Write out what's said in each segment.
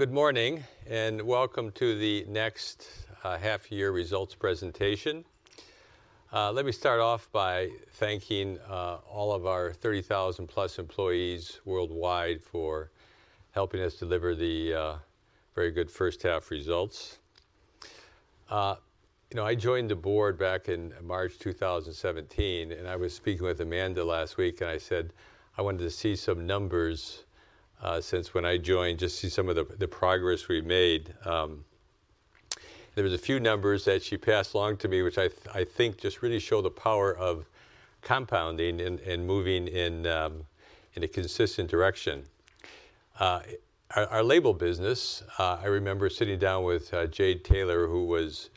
Good morning, and welcome to the Next half year results presentation. Let me start off by thanking all of our 30,000+ employees worldwide for helping us deliver the very good first half results. You know, I joined the board back in March 2017, and I was speaking with Amanda last week, and I said I wanted to see some numbers since when I joined, just to see some of the progress we've made. There were a few numbers that she passed along to me, which I think just really show the power of compounding and moving in a consistent direction. Our Label business, I remember sitting down with Jane Taylor, who was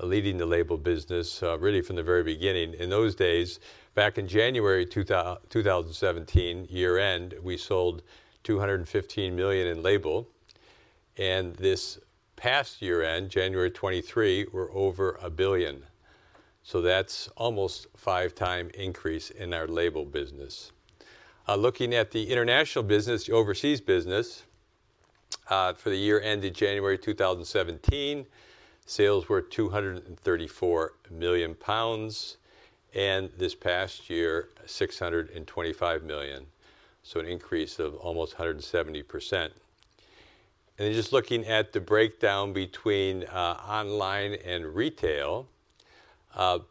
leading the Label business, really from the very beginning. In those days, back in January 2017, year-end, we sold 215 million in Label, and this past year-end, January 2023, we're over 1 billion. So that's almost five time increase in our Label business. Looking at the international business, the overseas business, for the year ended January 2017, sales were 234 million pounds, and this past year, 625 million, so an increase of almost 170%. Just looking at the breakdown between online and retail,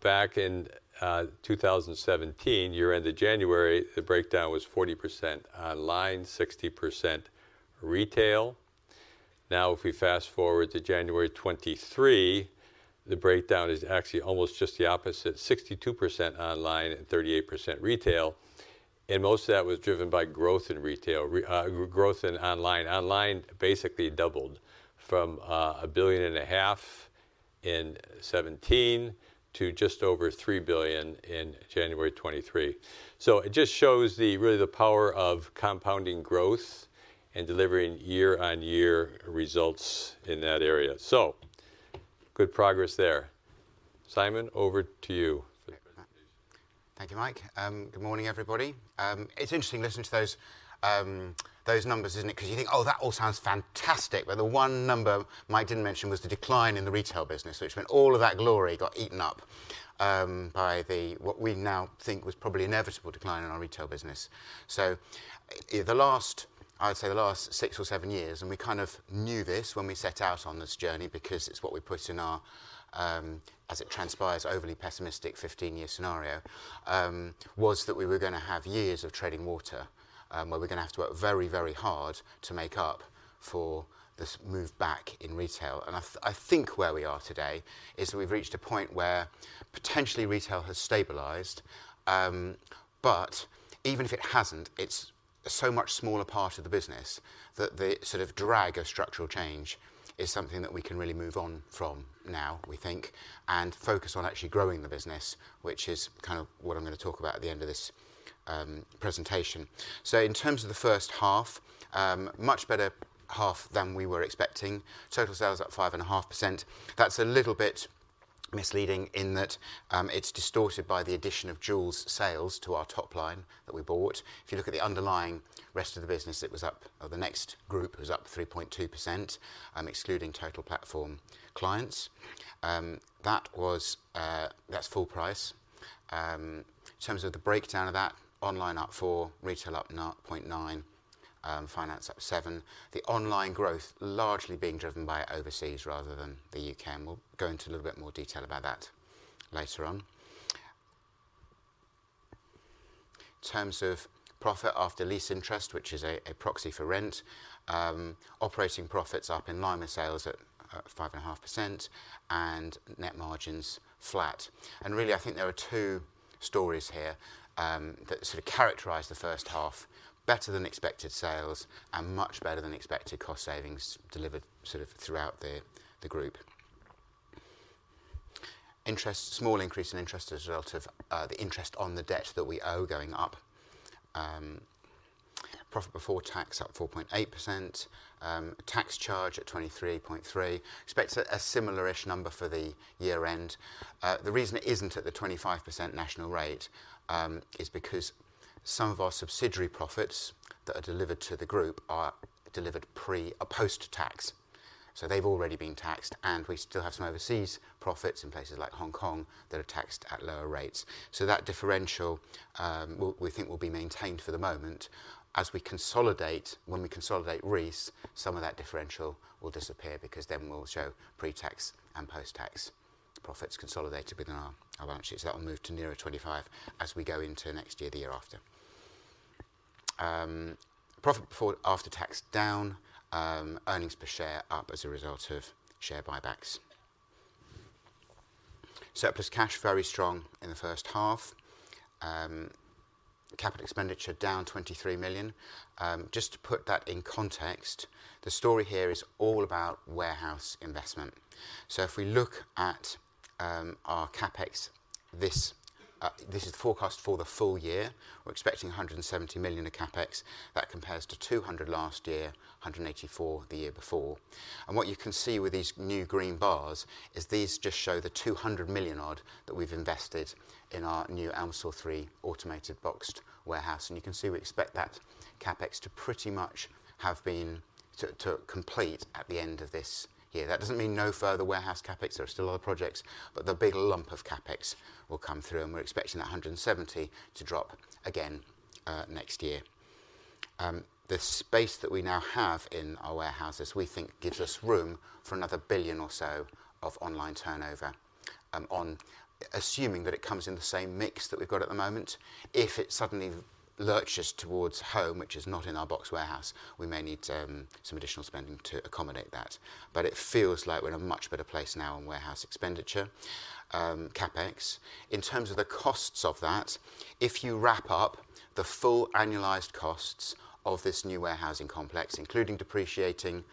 back in 2017, year ended January, the breakdown was 40% online, 60% retail. Now, if we fast-forward to January 2023, the breakdown is actually almost just the opposite, 62% online and 38% retail, and most of that was driven by growth in online. Online basically doubled from 1.5 billion in 2017 to just over 3 billion in January 2023. So it just shows really the power of compounding growth and delivering year-on-year results in that area. So good progress there. Simon, over to you. Thank you, Mike. Good morning, everybody. It's interesting listening to those numbers, isn't it? 'Cause you think, oh, that all sounds fantastic, but the one number Mike didn't mention was the decline in the retail business, which meant all of that glory got eaten up by the, what we now think was probably inevitable decline in our retail business. So the last, I would say, the last six or seven years, and we kind of knew this when we set out on this journey because it's what we put in our, as it transpires, overly pessimistic 15-year scenario, was that we were gonna have years of treading water, where we're gonna have to work very, very hard to make up for this move back in retail. I think where we are today is that we've reached a point where potentially retail has stabilised. Even if it hasn't, it's so much smaller part of the business that the sort of drag of structural change is something that we can really move on from now, we think, and focus on actually growing the business, which is kind of what I'm gonna talk about at the end of this presentation. In terms of the first half, much better half than we were expecting. Total sales up 5.5%. That's a little bit misleading in that it's distorted by the addition of Joules' sales to our top line that we bought. If you look at the underlying rest of the business, it was up, or the Next Group was up 3.2%, excluding Total Platform clients. That was... that's full price. In terms of the breakdown of that, online up 4%, retail up 9.9%, finance up 7%. The online growth largely being driven by overseas rather than the U.K., and we'll go into a little bit more detail about that later on. In terms of profit after lease interest, which is a proxy for rent, operating profits up in line with sales at 5.5% and net margins flat. Really, I think there are two stories here that sort of characterize the first half: better than expected sales and much better than expected cost savings delivered sort of throughout the group. Interest, small increase in interest as a result of the interest on the debt that we owe going up. Profit before tax up 4.8%. Tax charge at 23.3%. Expect a similar-ish number for the year-end. The reason it isn't at the 25% national rate is because some of our subsidiary profits that are delivered to the group are delivered pre or post-tax. So they've already been taxed, and we still have some overseas profits in places like Hong Kong that are taxed at lower rates. So that differential will, we think, will be maintained for the moment. As we consolidate, when we consolidate Reiss, some of that differential will disappear because then we'll show pre-tax and post-tax profits consolidated within our, our balance sheets. That will move to nearer 25 as we go into next year, the year after. Profit before-- after tax, down. Earnings per share up as a result of share buybacks. Surplus cash, very strong in the first half. Capital expenditure down 23 million. Just to put that in context, the story here is all about warehouse investment. If we look at our CapEx, this is forecast for the full year. We're expecting 170 million in CapEx. That compares to 200 million last year, 184 million the year before.... What you can see with these new green bars is these just show the 200 million odd that we've invested in our new Elmsall 3 automated boxed warehouse, and you can see we expect that CapEx to pretty much have been to complete at the end of this year. That doesn't mean no further warehouse CapEx. There are still other projects, but the big lump of CapEx will come through, and we're expecting that 170 million to drop again next year. The space that we now have in our warehouses, we think, gives us room for another 1 billion or so of online turnover, assuming that it comes in the same mix that we've got at the moment. If it suddenly lurches towards Home, which is not in our boxed warehouse, we may need some additional spending to accommodate that. It feels like we're in a much better place now on warehouse expenditure, CapEx. In terms of the costs of that, if you wrap up the full annualized costs of this new warehousing complex, including depreciating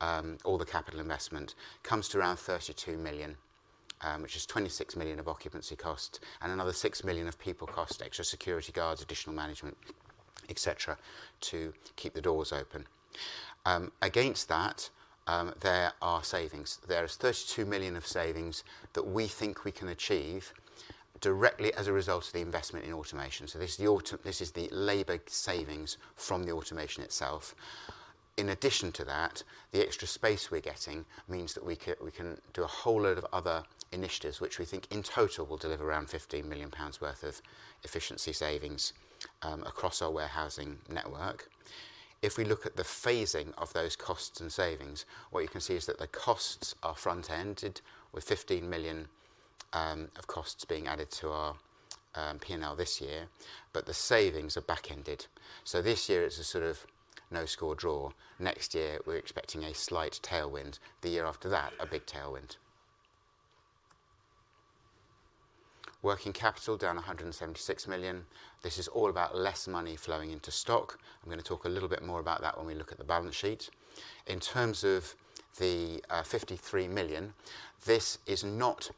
all the capital investment, comes to around 32 million, which is 26 million of occupancy cost and another 6 million of people cost, extra security guards, additional management, et cetera, to keep the doors open. Against that, there are savings. There is 32 million of savings that we think we can achieve directly as a result of the investment in automation. So this is the labor savings from the automation itself. In addition to that, the extra space we're getting means that we can do a whole load of other initiatives, which we think in total will deliver around 50 million pounds worth of efficiency savings across our warehousing network. If we look at the phasing of those costs and savings, what you can see is that the costs are front-ended, with 15 million of costs being added to our P&L this year, but the savings are back-ended. This year it's a sort of no-score draw. Next year, we're expecting a slight tailwind. The year after that, a big tailwind. Working capital, down 176 million. This is all about less money flowing into stock. I'm going to talk a little bit more about that when we look at the balance sheet. In terms of the 53 million, this is not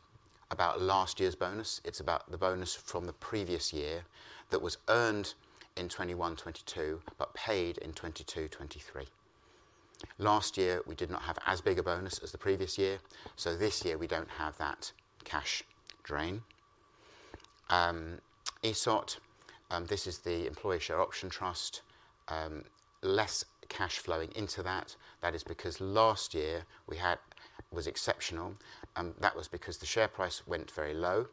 about last year's bonus. It's about the bonus from the previous year that was earned in 2021, 2022, but paid in 2022, 2023. Last year, we did not have as big a bonus as the previous year, so this year we don't have that cash drain. ESOP, this is the Employee Share Option Trust, less cash flowing into that. That is because last year was exceptional, that was because the share price went very low.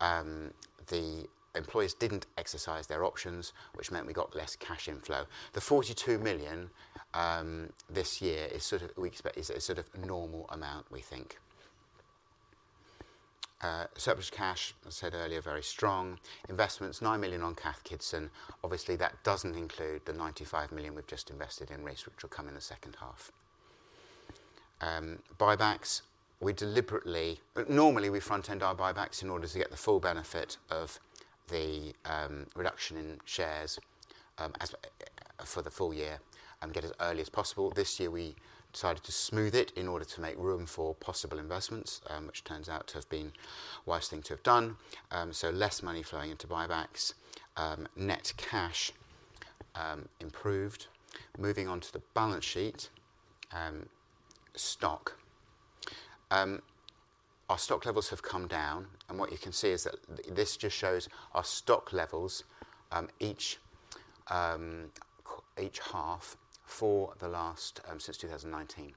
The employees didn't exercise their options, which meant we got less cash inflow. The 42 million, this year is sort of, we expect, is a sort of normal amount, we think. Surplus cash, I said earlier, very strong. Investments, 9 million on Cath Kidston. Obviously, that doesn't include the 95 million we've just invested in Reiss, which will come in the second half. Buybacks, we deliberately normally, we front-end our buybacks in order to get the full benefit of the, reduction in shares, as, for the full year and get as early as possible. This year we decided to smooth it in order to make room for possible investments, which turns out to have been wise thing to have done. So less money flowing into buybacks. Net cash, improved. Moving on to the balance sheet, stock. Our stock levels have come down, and what you can see is that this just shows our stock levels, each, each half for the last, since 2019.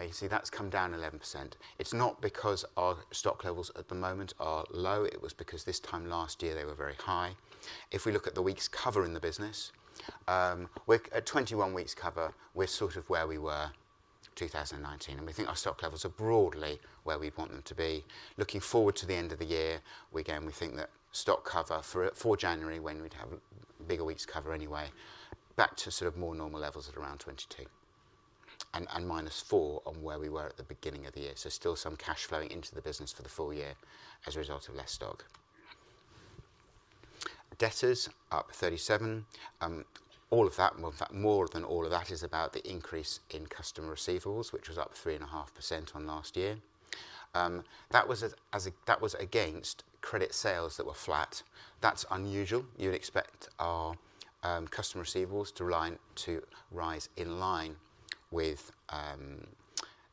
You see, that's come down 11%. It's not because our stock levels at the moment are low; it was because this time last year, they were very high. If we look at the weeks' cover in the business, we're at 21 weeks cover. We're sort of where we were 2019, and we think our stock levels are broadly where we want them to be. Looking forward to the end of the year, again, we think that stock cover for January, when we'd have a bigger weeks' cover anyway, back to sort of more normal levels at around 22, and-4 on where we were at the beginning of the year. So still some cash flowing into the business for the full year as a result of less stock. Debtors, up 37. All of that, well, in fact, more than all of that is about the increase in customer receivables, which was up 3.5% on last year. That was against credit sales that were flat. That's unusual. You'd expect our customer receivables to align, to rise in line with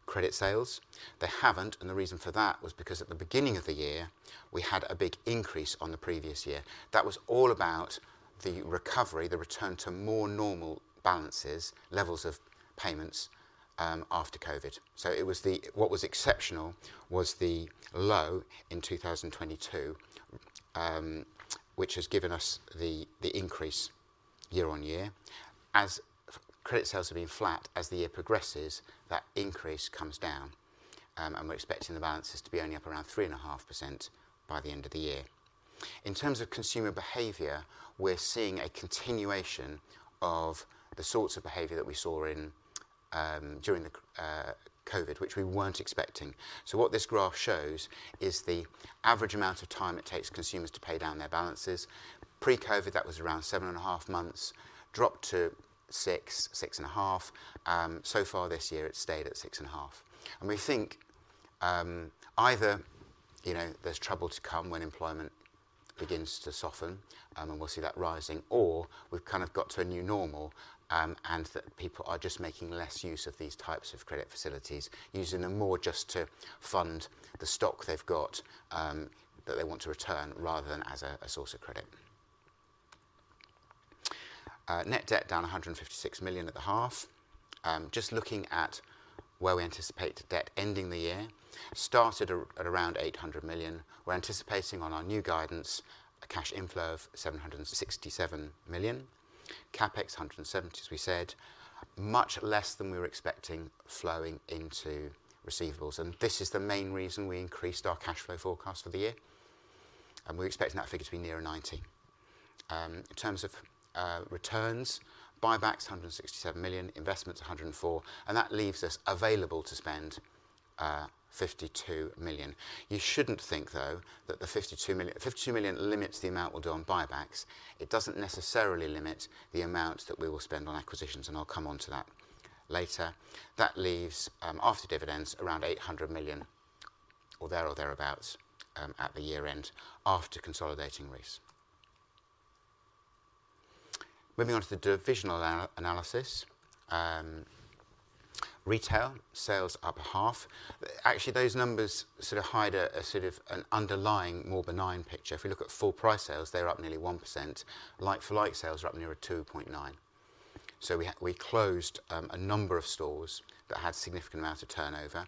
credit sales. They haven't, and the reason for that was because at the beginning of the year, we had a big increase on the previous year. That was all about the recovery, the return to more normal balances, levels of payments after COVID. What was exceptional was the low in 2022, which has given us the increase year-on-year. As credit sales have been flat, as the year progresses, that increase comes down, and we're expecting the balances to be only up around 3.5% by the end of the year. In terms of consumer behavior, we're seeing a continuation of the sorts of behavior that we saw in during the COVID, which we weren't expecting. So what this graph shows is the average amount of time it takes consumers to pay down their balances. Pre-COVID, that was around 7.5 months, dropped to 6-6.5. So far this year, it's stayed at 6.5, and we think, either, you know, there's trouble to come when employment-... begins to soften, and we'll see that rising, or we've kind of got to a new normal, and that people are just making less use of these types of credit facilities, using them more just to fund the stock they've got, that they want to return rather than as a source of credit. Net debt down 156 million at the half. Just looking at where we anticipate debt ending the year, it started at around 800 million. We're anticipating on our new guidance, a cash inflow of 767 million. CapEx, 170 million, as we said, much less than we were expecting flowing into receivables, and this is the main reason we increased our cash flow forecast for the year, and we're expecting that figure to be nearer 90 million. In terms of returns, buybacks, 167 million, investments, 104 million, and that leaves us available to spend 52 million. You shouldn't think, though, that the 52 million-52 million limits the amount we'll do on buybacks. It doesn't necessarily limit the amount that we will spend on acquisitions, and I'll come onto that later. That leaves, after dividends, around 800 million or thereabouts at the year-end after consolidating Reiss. Moving on to the divisional analysis. Retail sales up 0.5%. Actually, those numbers sort of hide a sort of an underlying, more benign picture. If we look at full price sales, they're up nearly 1%. Like-for-like sales are up nearer 2.9%. So we closed a number of stores that had significant amount of turnover.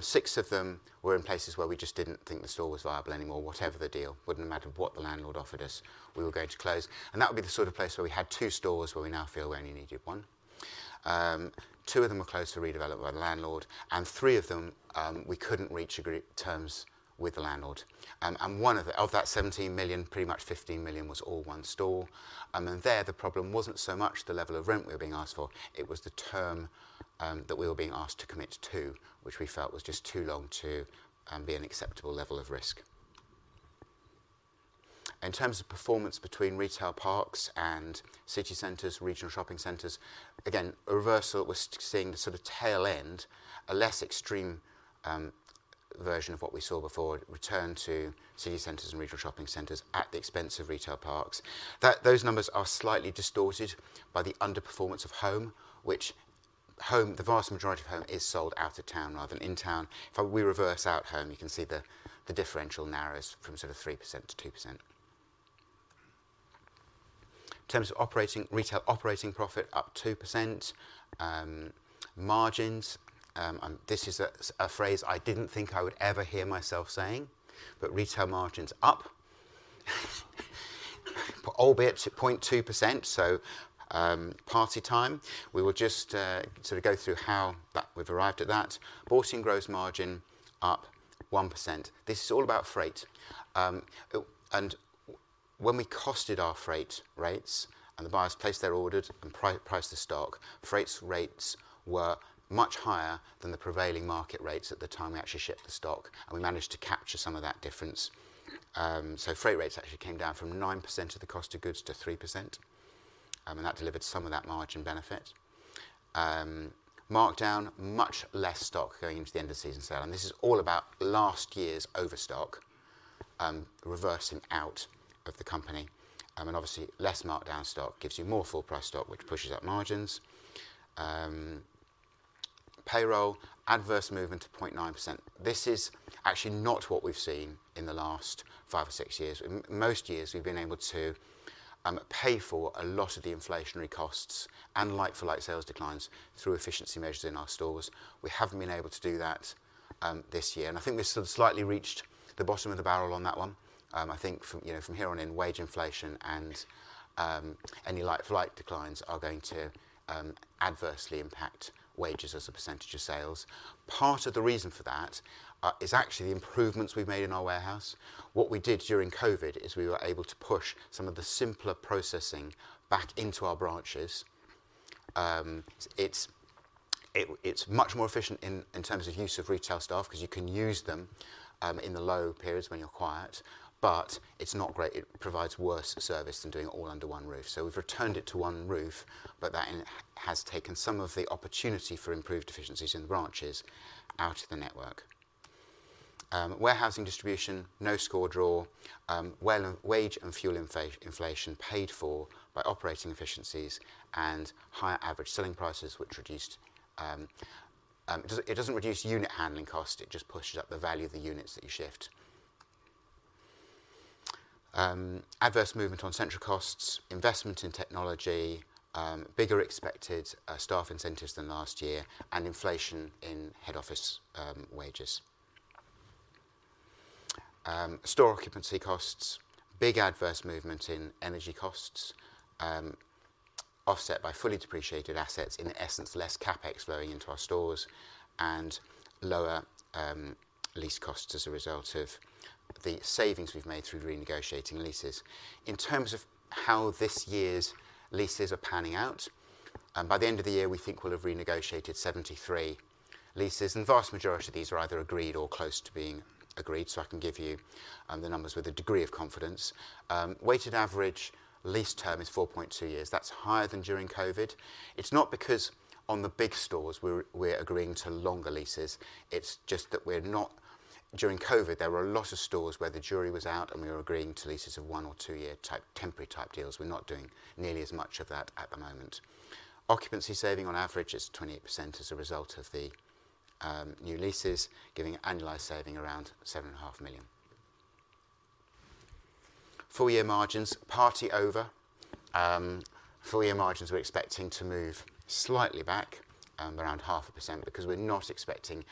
Six of them were in places where we just didn't think the store was viable anymore, whatever the deal. Wouldn't have mattered what the landlord offered us, we were going to close, and that would be the sort of place where we had two stores, where we now feel we only needed one. Two of them were closed to redevelop by the landlord, and three of them, we couldn't reach agree terms with the landlord. One of the-- of that 17 million, pretty much 15 million was all one store, and there, the problem wasn't so much the level of rent we were being asked for, it was the term that we were being asked to commit to, which we felt was just too long to be an acceptable level of risk. In terms of performance between retail parks and city centres, regional shopping centres, again, a reversal. We're seeing the sort of tail end, a less extreme version of what we saw before, return to city centres and regional shopping centres at the expense of retail parks. Those numbers are slightly distorted by the underperformance of Home, which Home... the vast majority of Home is sold out of town rather than in town. If we reverse out Home, you can see the differential narrows from 3% to 2%. In terms of retail operating profit, up 2%. Margins, and this is a phrase I didn't think I would ever hear myself saying, but retail margin's up, albeit at 0.2%, so, party time. We will just sort of go through how that we've arrived at that. Bought-in gross margin, up 1%. This is all about freight. When we costed our freight rates and the buyers placed their orders and priced the stock, freight rates were much higher than the prevailing market rates at the time we actually shipped the stock, and we managed to capture some of that difference. So freight rates actually came down from 9% of the cost of goods to 3%, and that delivered some of that margin benefit. Markdown, much less stock going into the end-of-season sale, and this is all about last year's overstock reversing out of the company. And obviously, less markdown stock gives you more full price stock, which pushes up margins. Payroll, adverse movement to 0.9%. This is actually not what we've seen in the last five or six years. In most years, we've been able to pay for a lot of the inflationary costs and like-for-like sales declines through efficiency measures in our stores. We haven't been able to do that this year, and I think we've sort of slightly reached the bottom of the barrel on that one. I think from, you know, from here on in, wage inflation and any like-for-like declines are going to adversely impact wages as a percentage of sales. Part of the reason for that is actually the improvements we've made in our warehouse. What we did during COVID is we were able to push some of the simpler processing back into our branches. It's much more efficient in terms of use of retail staff, 'cause you can use them in the low periods when you're quiet, but it's not great. It provides worse service than doing it all under one roof. We've returned it to one roof, but that has taken some of the opportunity for improved efficiencies in the branches out of the network. Warehousing distribution, no score draw. Well, wage and fuel inflation paid for by operating efficiencies and higher average selling prices, which reduced—it doesn't reduce unit handling cost, it just pushes up the value of the units that you shift. Adverse movement on central costs, investment in technology, bigger expected staff incentives than last year, and inflation in head office wages. Store occupancy costs, big adverse movement in energy costs, offset by fully depreciated assets, in essence, less CapEx flowing into our stores and lower lease costs as a result of the savings we've made through renegotiating leases. In terms of how this year's leases are panning out, by the end of the year, we think we'll have renegotiated 73 leases, and the vast majority of these are either agreed or close to being agreed, so I can give you the numbers with a degree of confidence. Weighted average lease term is 4.2 years. That's higher than during COVID. It's not because on the big stores, we're agreeing to longer leases. It's just that we're not—during COVID, there were a lot of stores where the jury was out, and we were agreeing to leases of one- or two-year type, temporary type deals. We're not doing nearly as much of that at the moment. Occupancy saving on average is 28% as a result of the new leases, giving an annualized saving around 7.5 million. Full-year margins, party over. Full-year margins, we're expecting to move slightly back, around 0.5% because we're not expecting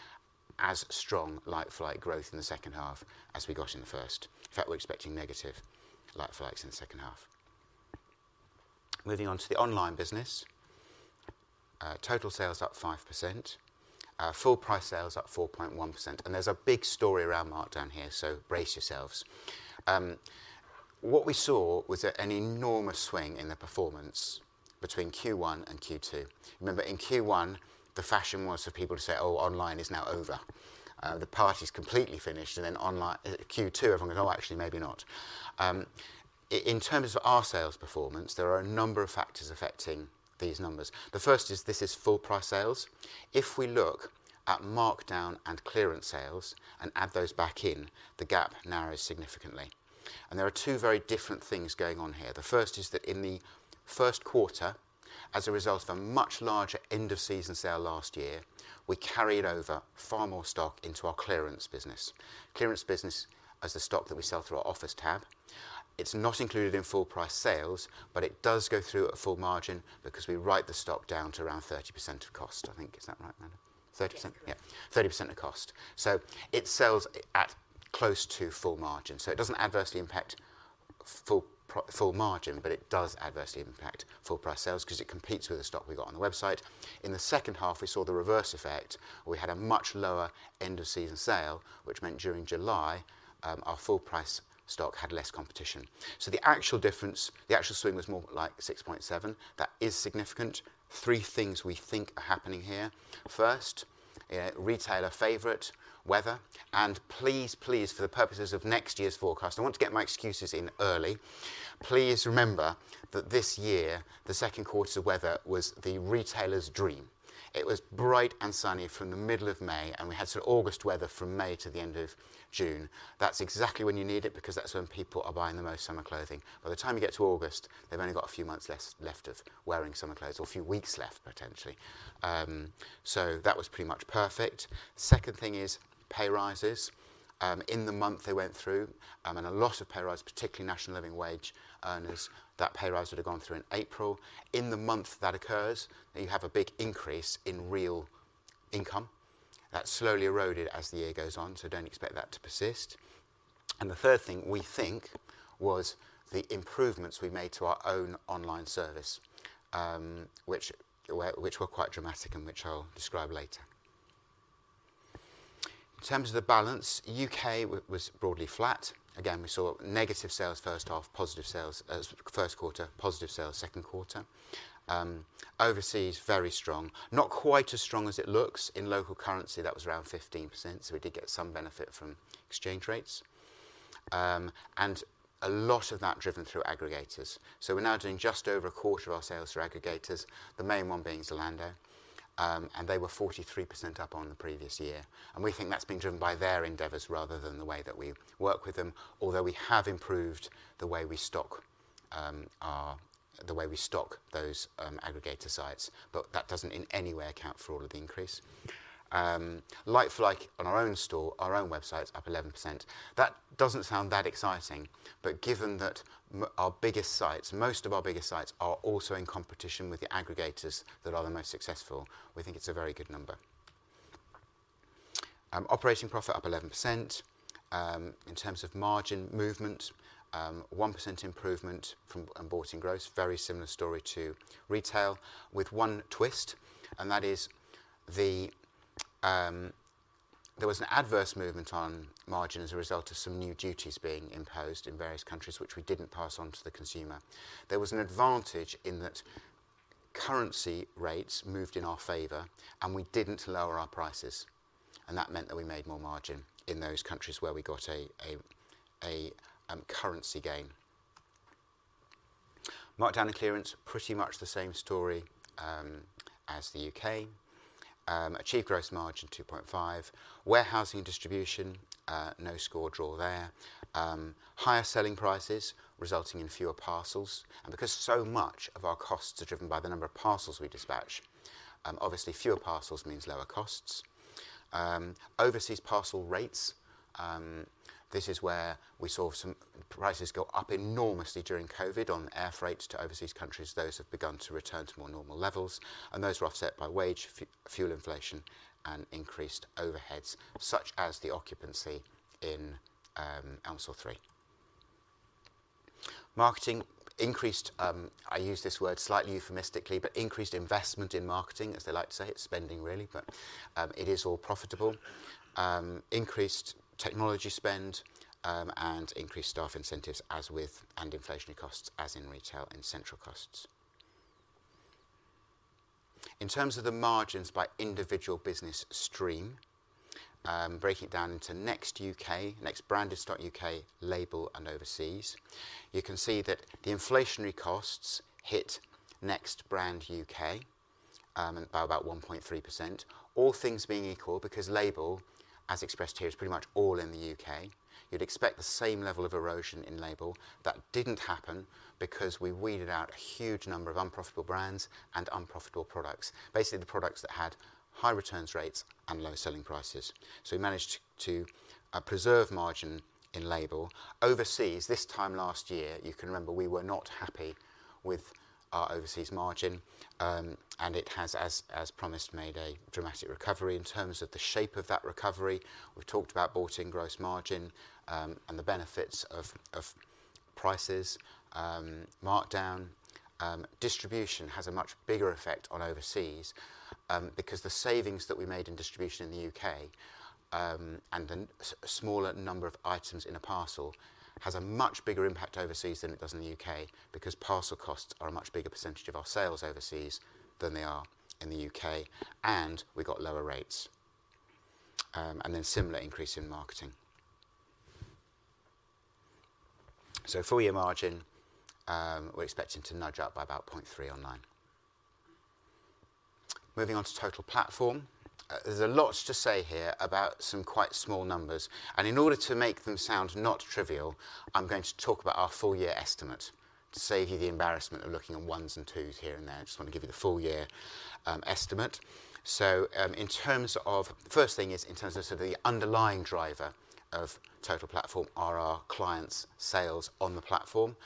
as strong like-for-like growth in the second half as we got in the first. In fact, we're expecting negative like-for-likes in the second half. Moving on to the online business. Total sales up 5%, full price sales up 4.1%, and there's a big story around markdown here, so brace yourselves. What we saw was an enormous swing in the performance between Q1 and Q2. Remember, in Q1, the fashion was for people to say, "Oh, online is now over. The party's completely finished," and then online, Q2, everyone went, "Oh, actually, maybe not." In terms of our sales performance, there are a number of factors affecting these numbers. The first is this is full price sales. If we look at markdown and clearance sales and add those back in, the gap narrows significantly, and there are two very different things going on here. The first is that in the first quarter, as a result of a much larger end-of-season sale last year, we carried over far more stock into our clearance business. Clearance business is the stock that we sell through our Offers tab. It's not included in full price sales, but it does go through at full margin because we write the stock down to around 30% of cost, I think. Is that right, Amanda? 30%? Yes. Yeah, 30% of cost. So it sells at close to full margin, so it doesn't adversely impact full margin, but it does adversely impact full price sales because it competes with the stock we got on the website. In the second half, we saw the reverse effect, where we had a much lower end-of-season sale, which meant during July, our full price stock had less competition. So the actual difference, the actual swing was more like 6.7. That is significant. Three things we think are happening here. First, retailer favorite, weather, and please, please, for the purposes of next year's forecast, I want to get my excuses in early. Please remember that this year, the second quarter's weather was the retailer's dream. It was bright and sunny from the middle of May, and we had sort of August weather from May to the end of June. That's exactly when you need it, because that's when people are buying the most summer clothing. By the time you get to August, they've only got a few months less left of wearing summer clothes or a few weeks left, potentially. So that was pretty much perfect. Second thing is pay rises. In the month they went through, and a lot of pay rise, particularly National Living Wage earners, that pay rise would have gone through in April. In the month that occurs, you have a big increase in real income. That's slowly eroded as the year goes on, so don't expect that to persist. And the third thing we think was the improvements we made to our own online service, which were quite dramatic and which I'll describe later. In terms of the balance, UK was broadly flat. Again, we saw negative sales first half, positive sales as first quarter, positive sales second quarter. Overseas, very strong. Not quite as strong as it looks. In local currency, that was around 15%, so we did get some benefit from exchange rates, and a lot of that driven through aggregators. So we're now doing just over a quarter of our sales through aggregators, the main one being Zalando, and they were 43% up on the previous year. And we think that's been driven by their endeavors rather than the way that we work with them, although we have improved the way we stock, our... The way we stock those aggregator sites, but that doesn't in any way account for all of the increase. Like-for-like on our own store, our own website's up 11%. That doesn't sound that exciting, but given that our biggest sites, most of our biggest sites, are also in competition with the aggregators that are the most successful, we think it's a very good number. Operating profit up 11%. In terms of margin movement, 1% improvement from onboarding growth, very similar story to retail, with one twist, and that is the, there was an adverse movement on margin as a result of some new duties being imposed in various countries, which we didn't pass on to the consumer. There was an advantage in that currency rates moved in our favor, and we didn't lower our prices, and that meant that we made more margin in those countries where we got a currency gain. Markdown and clearance, pretty much the same story as the U.K. Achieved gross margin, 2.5. Warehousing and distribution, no score draw there. Higher selling prices resulting in fewer parcels, and because so much of our costs are driven by the number of parcels we dispatch, obviously, fewer parcels means lower costs. Overseas parcel rates, this is where we saw some prices go up enormously during COVID on air freight to overseas countries. Those have begun to return to more normal levels, and those were offset by wage, fuel inflation, and increased overheads, such as the occupancy in Elmsall 3. Marketing increased, I use this word slightly euphemistically, but increased investment in marketing, as they like to say. It's spending, really, but, it is all profitable. Increased technology spend, and increased staff incentives, and inflationary costs, as in retail and central costs. In terms of the margins by individual business stream, breaking it down into Next UK, Next branded stock U.K. Label and overseas, you can see that the inflationary costs hit Next Brand UK, by about 1.3%. All things being equal, because Label, as expressed here, is pretty much all in the U.K., you'd expect the same level of erosion in Label. That didn't happen because we weeded out a huge number of unprofitable brands and unprofitable products, basically the products that had high returns rates and low selling prices. We managed to preserve margin in Label. Overseas, this time last year, you can remember we were not happy with our overseas margin, and it has, as promised, made a dramatic recovery. In terms of the shape of that recovery, we've talked about bought-in gross margin and the benefits of prices, markdown. Distribution has a much bigger effect on overseas because the savings that we made in distribution in the U.K. and the smaller number of items in a parcel has a much bigger impact overseas than it does in the U.K. because parcel costs are a much bigger percentage of our sales overseas than they are in the U.K., and we got lower rates. Then similar increase in marketing. Full year margin, we're expecting to nudge up by about 0.3% online. Moving on to Total Platform. There's a lot to say here about some quite small numbers, and in order to make them sound not trivial, I'm going to talk about our full year estimate to save you the embarrassment of looking at ones and twos here and there. I just want to give you the full year estimate. So, in terms of... First thing is, in terms of sort of the underlying driver of Total Platform are our clients' sales on the platform.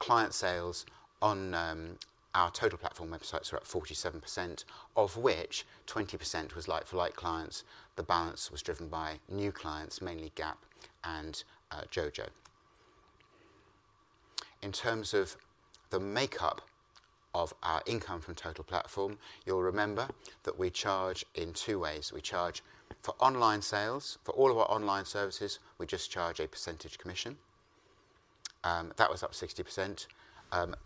Client sales on our Total Platform websites are at 47%, of which 20% was like-for-like clients. The balance was driven by new clients, mainly Gap and JoJo. In terms of the makeup of our income from Total Platform, you'll remember that we charge in two ways. We charge for online sales. For all of our online services, we just charge a percentage commission that was up 60%. Up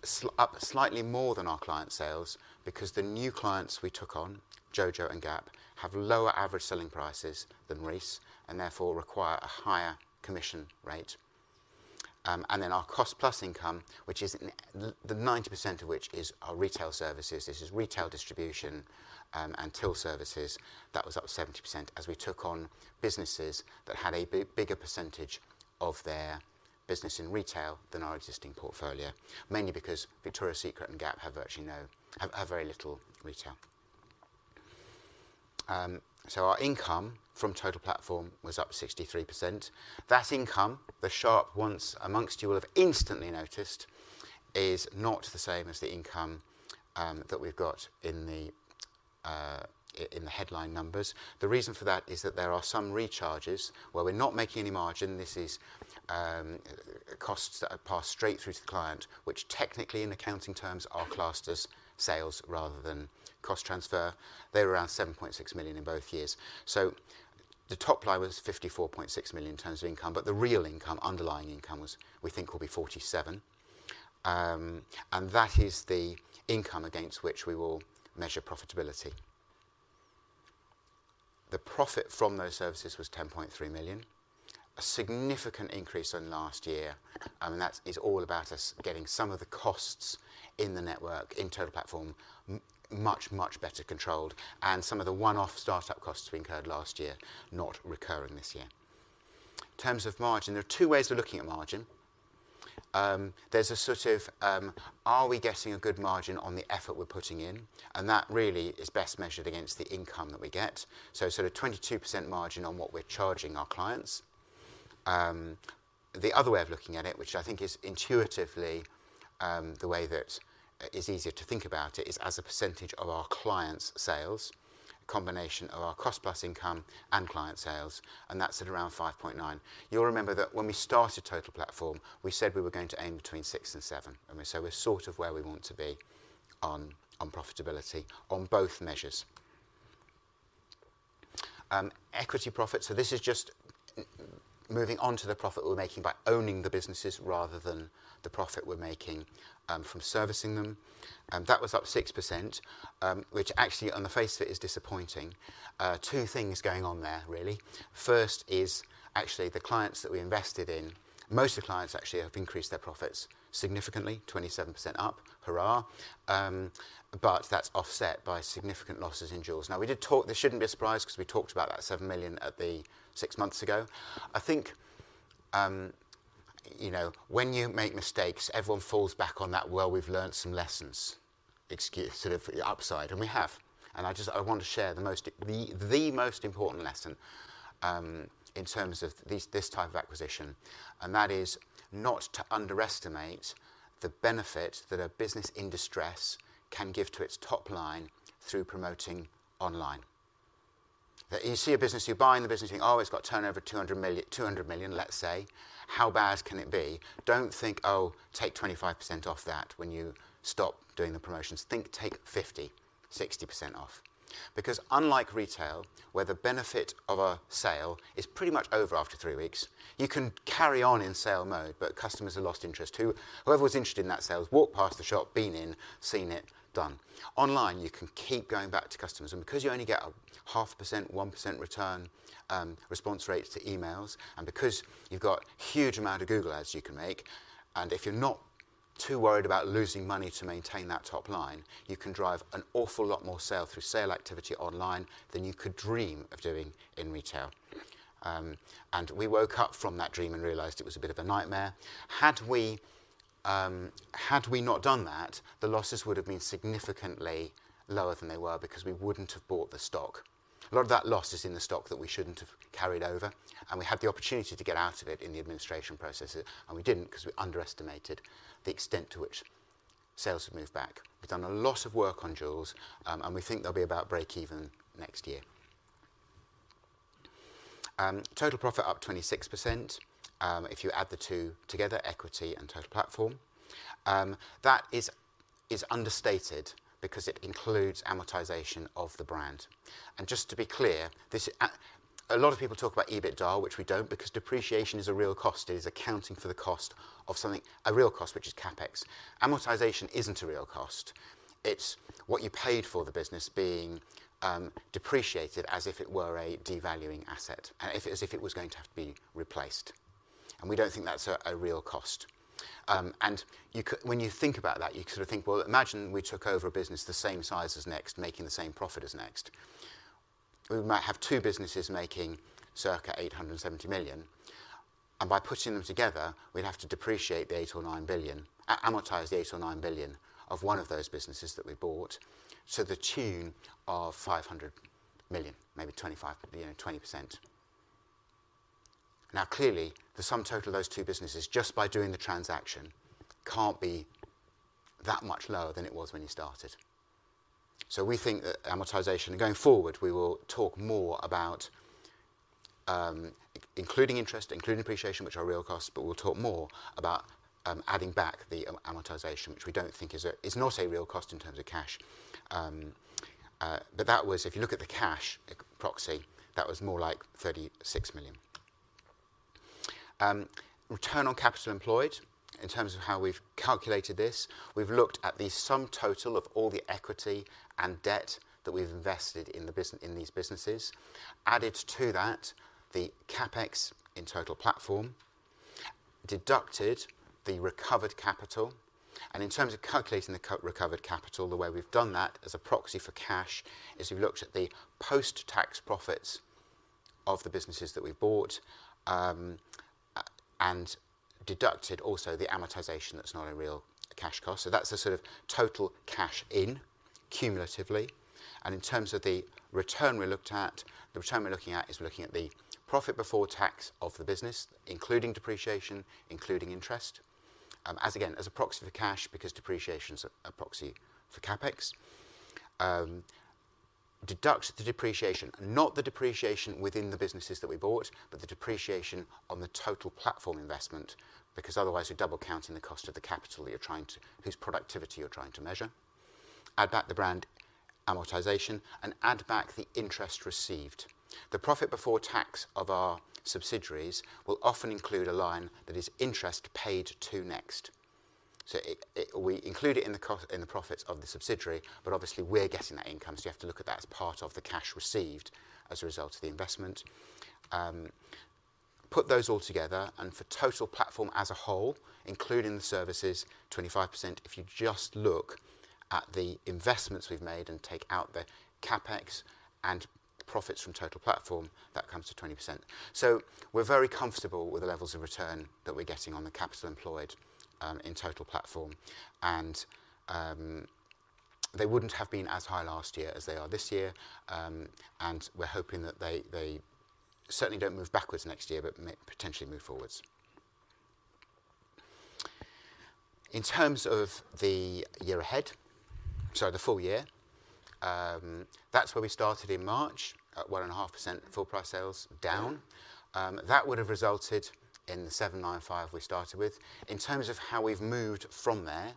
slightly more than our client sales, because the new clients we took on, JoJo and Gap, have lower average selling prices than Reiss, and therefore require a higher commission rate. And then our cost plus income, which is the 90% of which is our retail services. This is retail distribution and till services, that was up 70% as we took on businesses that had a bigger percentage of their business in retail than our existing portfolio, mainly because Victoria's Secret and Gap have virtually no... have very little retail. So our income from Total Platform was up 63%. That income, the sharp ones amongst you will have instantly noticed, is not the same as the income that we've got in the headline numbers. The reason for that is that there are some recharges where we're not making any margin. This is costs that are passed straight through to the client, which technically, in accounting terms, are classed as sales rather than cost transfer. They were around 7.6 million in both years. So the top line was 54.6 million in terms of income, but the real income, underlying income, was, we think will be 47 million. And that is the income against which we will measure profitability. The profit from those services was 10.3 million, a significant increase on last year, and that is all about us getting some of the costs in the network, in Total Platform, much, much better controlled and some of the one-off start-up costs we incurred last year not recurring this year. In terms of margin, there are two ways of looking at margin. There's a sort of, are we getting a good margin on the effort we're putting in? That really is best measured against the income that we get. So sort of 22% margin on what we're charging our clients. The other way of looking at it, which I think is intuitively, the way that is easier to think about it, is as a percentage of our clients' sales, a combination of our cost plus income and client sales, and that's at around 5.9%. You'll remember that when we started Total Platform, we said we were going to aim between 6%-7%, and so we're sort of where we want to be on, on profitability on both measures. Equity profit, so this is just, moving on to the profit we're making by owning the businesses rather than the profit we're making, from servicing them. That was up 6%, which actually, on the face of it, is disappointing. Two things going on there, really. First is actually the clients that we invested in, most of the clients actually have increased their profits significantly, 27% up. Hurrah! But that's offset by significant losses in Joules. Now, we did talk... This shouldn't be a surprise because we talked about that 7 million at the six months ago. I think, you know, when you make mistakes, everyone falls back on that, "Well, we've learned some lessons" excuse, sort of the upside, and we have. And I just-- I want to share the most, the, the most important lesson, in terms of this, this type of acquisition, and that is not to underestimate the benefit that a business in distress can give to its top line through promoting online. That you see a business, you're buying the business, you're, "Oh, it's got turnover, 200 million, 200 million," let's say. How bad can it be? Don't think, "Oh, take 25% off that when you stop doing the promotions." Think, take 50, 60% off. Because unlike retail, where the benefit of a sale. It's pretty much over after weeks. You can carry on in sale mode, but customers have lost interest. Whoever was interested in that sale has walked past the shop, been in, seen it, done. Online, you can keep going back to customers, and because you only get a 0.5%, 1% return, response rates to emails, and because you've got huge amount of Google Ads you can make, and if you're not too worried about losing money to maintain that top line, you can drive an awful lot more sale through sale activity online than you could dream of doing in retail. We woke up from that dream and realized it was a bit of a nightmare. Had we not done that, the losses would have been significantly lower than they were because we wouldn't have bought the stock. A lot of that loss is in the stock that we shouldn't have carried over, and we had the opportunity to get out of it in the administration process, and we didn't 'cause we underestimated the extent to which sales had moved back. We've done a lot of work on Joules, and we think they'll be about break even next year. Total profit up 26%, if you add the two together, equity and Total Platform. That is understated because it includes amortisation of the brand. And just to be clear, this, a lot of people talk about EBITDA, which we don't, because depreciation is a real cost. It is accounting for the cost of something, a real cost, which is CapEx. Amortization isn't a real cost. It's what you paid for the business being depreciated as if it were a devaluing asset and as if it was going to have to be replaced, and we don't think that's a real cost. And you, when you think about that, you sort of think, well, imagine we took over a business the same size as Next, making the same profit as Next. We might have two businesses making circa 870 million, and by putting them together, we'd have to depreciate the 8 billion or 9 billion, amortize the 8 billion or 9 billion of one of those businesses that we bought to the tune of 500 million, maybe 25%, you know, 20%. Now, clearly, the sum total of those two businesses, just by doing the transaction, can't be that much lower than it was when you started. So we think that amortization. And going forward, we will talk more about including interest, including depreciation, which are real costs, but we'll talk more about adding back the amortization, which we don't think is a-- is not a real cost in terms of cash. But that was, if you look at the cash proxy, that was more like 36 million. Return on capital employed, in terms of how we've calculated this, we've looked at the sum total of all the equity and debt that we've invested in these businesses. Added to that, the CapEx in Total Platform, deducted the recovered capital, and in terms of calculating the recovered capital, the way we've done that as a proxy for cash, is we've looked at the post-tax profits of the businesses that we've bought, and deducted also the amortization that's not a real cash cost. So that's the sort of total cash in cumulatively, and in terms of the return we looked at, the return we're looking at is we're looking at the profit before tax of the business, including depreciation, including interest, as again, as a proxy for cash, because depreciation is a proxy for CapEx. Deduct the depreciation, not the depreciation within the businesses that we bought, but the depreciation on the Total Platform investment, because otherwise, you're double-counting the cost of the capital you're trying to whose productivity you're trying to measure. Add back the brand amortization and add back the interest received. The profit before tax of our subsidiaries will often include a line that is interest paid to Next. So, we include it in the profits of the subsidiary, but obviously, we're getting that income, so you have to look at that as part of the cash received as a result of the investment. Put those all together, and for Total Platform as a whole, including the services, 25%, if you just look at the investments we've made and take out the CapEx and profits from Total Platform, that comes to 20%. We're very comfortable with the levels of return that we're getting on the capital employed in Total Platform, and they wouldn't have been as high last year as they are this year. We're hoping that they certainly don't move backwards next year, but may potentially move forwards. In terms of the year ahead, sorry, the full year, that's where we started in March, at 1.5% full price sales down. That would have resulted in the 795 million we started with. In terms of how we've moved from there,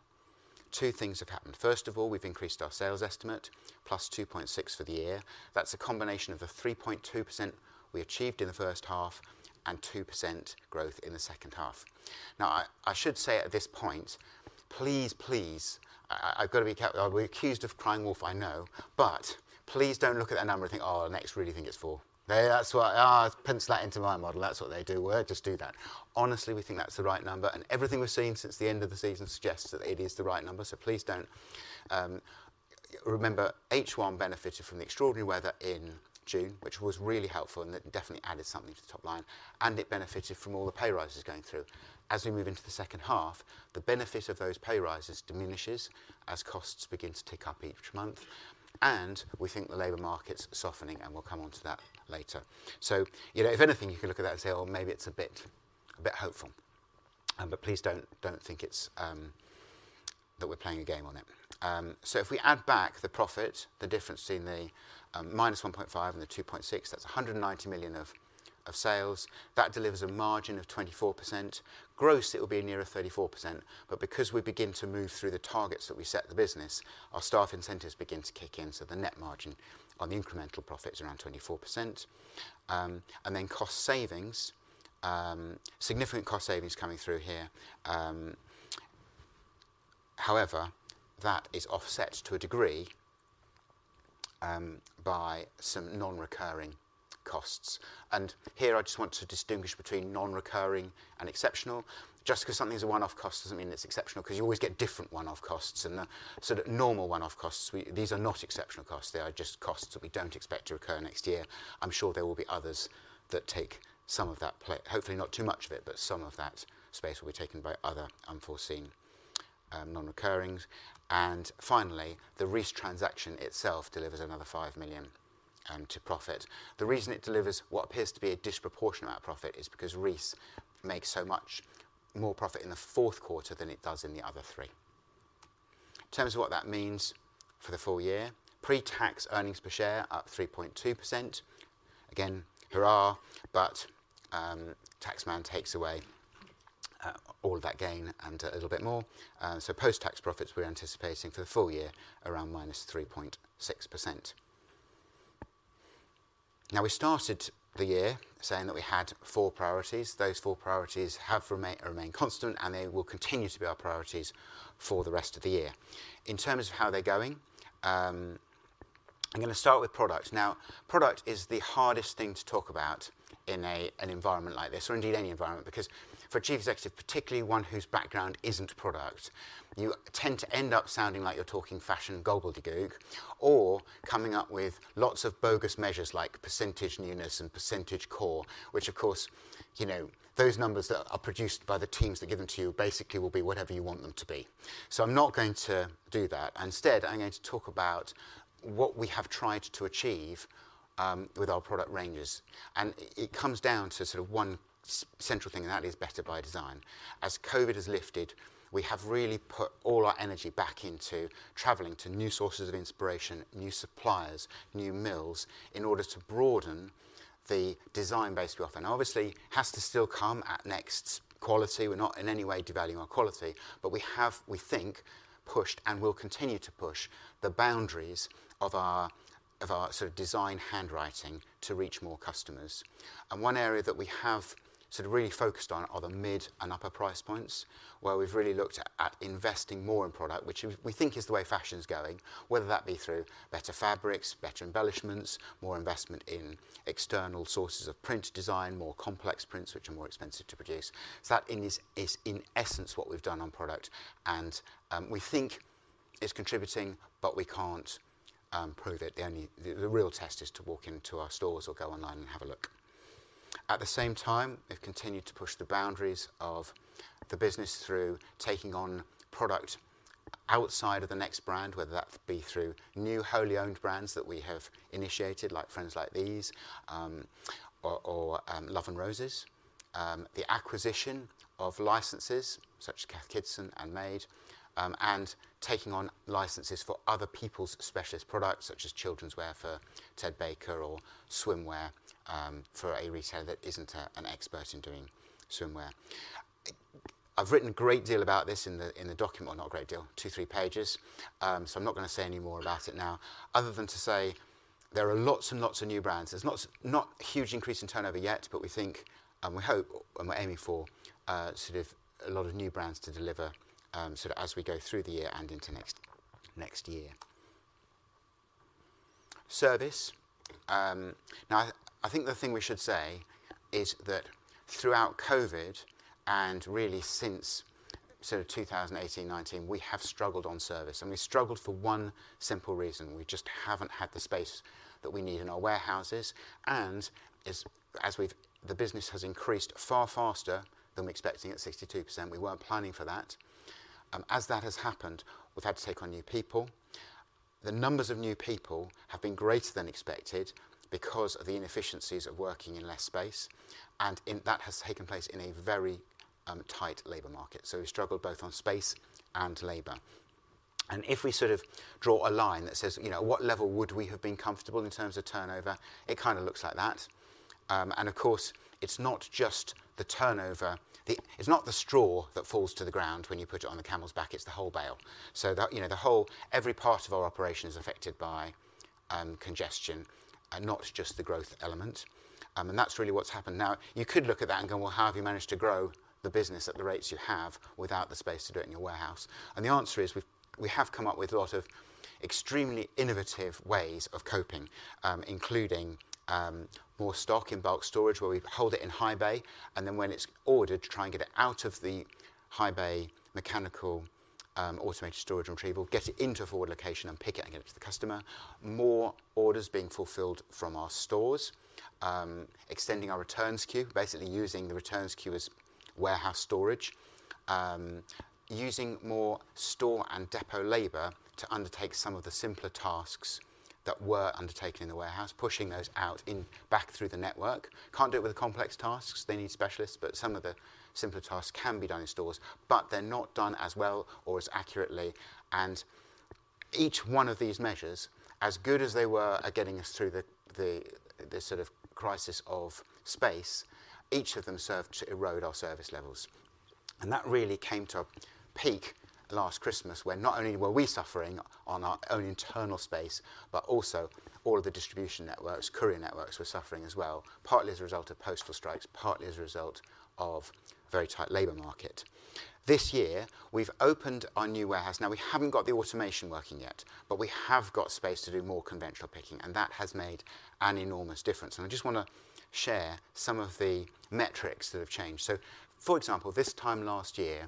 two things have happened. First of all, we've increased our sales estimate, +2.6% for the year. That's a combination of the 3.2% we achieved in the first half and 2% growth in the second half. Now, I should say at this point, please, please, I've got to be careful, we're accused of crying wolf, I know, but please don't look at that number and think, "Oh, Next really think it's four." That's what, "Ah, pencil that into my model. That's what they do." Well, just do that. Honestly, we think that's the right number, and everything we've seen since the end of the season suggests that it is the right number, so please don't... Remember, H1 benefited from the extraordinary weather in June, which was really helpful, and it definitely added something to the top line, and it benefited from all the pay rises going through. As we move into the second half, the benefit of those pay rises diminishes as costs begin to tick up each month, and we think the labor market's softening, and we'll come onto that later. So, you know, if anything, you can look at that and say, "Oh, maybe it's a bit hopeful," but please don't think it's that we're playing a game on it. So if we add back the profit, the difference between the -1.5 and the 2.6, that's 190 million of sales. That delivers a margin of 24%. Gross, it will be nearer 34%, but because we begin to move through the targets that we set the business, our staff incentives begin to kick in, so the net margin on the incremental profit is around 24%. And then cost savings... significant cost savings coming through here. However, that is offset to a degree by some non-recurring costs. And here I just want to distinguish between non-recurring and exceptional. Just because something's a one-off cost doesn't mean it's exceptional, because you always get different one-off costs, and the sort of normal one-off costs, these are not exceptional costs, they are just costs that we don't expect to recur next year. I'm sure there will be others that take some of that place, hopefully not too much of it, but some of that space will be taken by other unforeseen, non-recurrings. And finally, the Reiss transaction itself delivers another 5 million to profit. The reason it delivers what appears to be a disproportionate amount of profit is because Reiss makes so much more profit in the fourth quarter than it does in the other three. In terms of what that means for the full year, pre-tax earnings per share up 3.2%. Again, hurrah, tax man takes away all of that gain and a little bit more. Post-tax profits, we're anticipating for the full year, around -3.6%. We started the year saying that we had four priorities. Those four priorities have remained constant, and they will continue to be our priorities for the rest of the year. In terms of how they're going, I'm going to start with product. Now, product is the hardest thing to talk about in an environment like this, or indeed any environment, because for a chief executive, particularly one whose background isn't product, you tend to end up sounding like you're talking fashion gobbledygook or coming up with lots of bogus measures like percentage newness and percentage core, which, of course, you know, those numbers that are produced by the teams that give them to you, basically will be whatever you want them to be. So I'm not going to do that. Instead, I'm going to talk about what we have tried to achieve with our product ranges, and it comes down to sort of one central thing, and that is better by design. As COVID has lifted, we have really put all our energy back into traveling to new sources of inspiration, new suppliers, new mills, in order to broaden the design base we offer. And obviously, has to still come at Next's quality. We're not in any way devaluing our quality, but we have, we think, pushed and will continue to push the boundaries of our, of our sort of design handwriting to reach more customers. And one area that we have sort of really focused on are the mid and upper price points, where we've really looked at, at investing more in product, which we, we think is the way fashion is going, whether that be through better fabrics, better embellishments, more investment in external sources of print design, more complex prints, which are more expensive to produce. So that in this is in essence what we've done on product, and we think it's contributing, but we can't prove it. The only real test is to walk into our stores or go online and have a look. At the same time, we've continued to push the boundaries of the business through taking on product outside of the Next brand, whether that be through new wholly owned brands that we have initiated, like Friends Like These, or Love & Roses, the acquisition of licenses such as Cath Kidston and Made, and taking on licenses for other people's specialist products, such as children's wear for Ted Baker or swimwear for a retailer that isn't an expert in doing swimwear. I've written a great deal about this in the document. Not a great deal, two, three pages, so I'm not going to say any more about it now, other than to say there are lots and lots of new brands. There's not a huge increase in turnover yet, but we think, we hope, and we're aiming for, sort of a lot of new brands to deliver, sort of as we go through the year and into next, next year. Service. Now, I think the thing we should say is that throughout COVID, and really since sort of 2018, 2019, we have struggled on service, and we struggled for one simple reason: we just haven't had the space that we need in our warehouses, and as, as we've—the business has increased far faster than we were expecting at 62%, we weren't planning for that. As that has happened, we've had to take on new people. The numbers of new people have been greater than expected because of the inefficiencies of working in less space, and that has taken place in a very tight labor market. We struggled both on space and labor. If we sort of draw a line that says, you know, what level would we have been comfortable in terms of turnover, it kind of looks like that. Of course, it's not just the turnover. It's not the straw that falls to the ground when you put it on the camel's back, it's the whole bale. The whole, every part of our operation is affected by congestion and not just the growth element. That's really what's happened. Now, you could look at that and go, "Well, how have you managed to grow the business at the rates you have without the space to do it in your warehouse?" The answer is, we have come up with a lot of extremely innovative ways of coping, including more stock in bulk storage, where we hold it in high bay, and then when it's ordered, try and get it out of the high bay mechanical, automated storage and retrieval, get it into a forward location and pick it and get it to the customer. More orders being fulfilled from our stores, extending our returns queue, basically using the returns queue as warehouse storage, using more store and depot labor to undertake some of the simpler tasks that were undertaken in the warehouse, pushing those out in back through the network. Can't do it with the complex tasks, they need specialists, but some of the simpler tasks can be done in stores, but they're not done as well or as accurately, and each one of these measures, as good as they were at getting us through the sort of crisis of space, each of them served to erode our service levels. And that really came to a peak last Christmas, where not only were we suffering on our own internal space, but also all of the distribution networks, courier networks were suffering as well, partly as a result of postal strikes, partly as a result of very tight labor market. This year, we've opened our new warehouse. Now, we haven't got the automation working yet, but we have got space to do more conventional picking, and that has made an enormous difference. I just wanna share some of the metrics that have changed. So, for example, this time last year,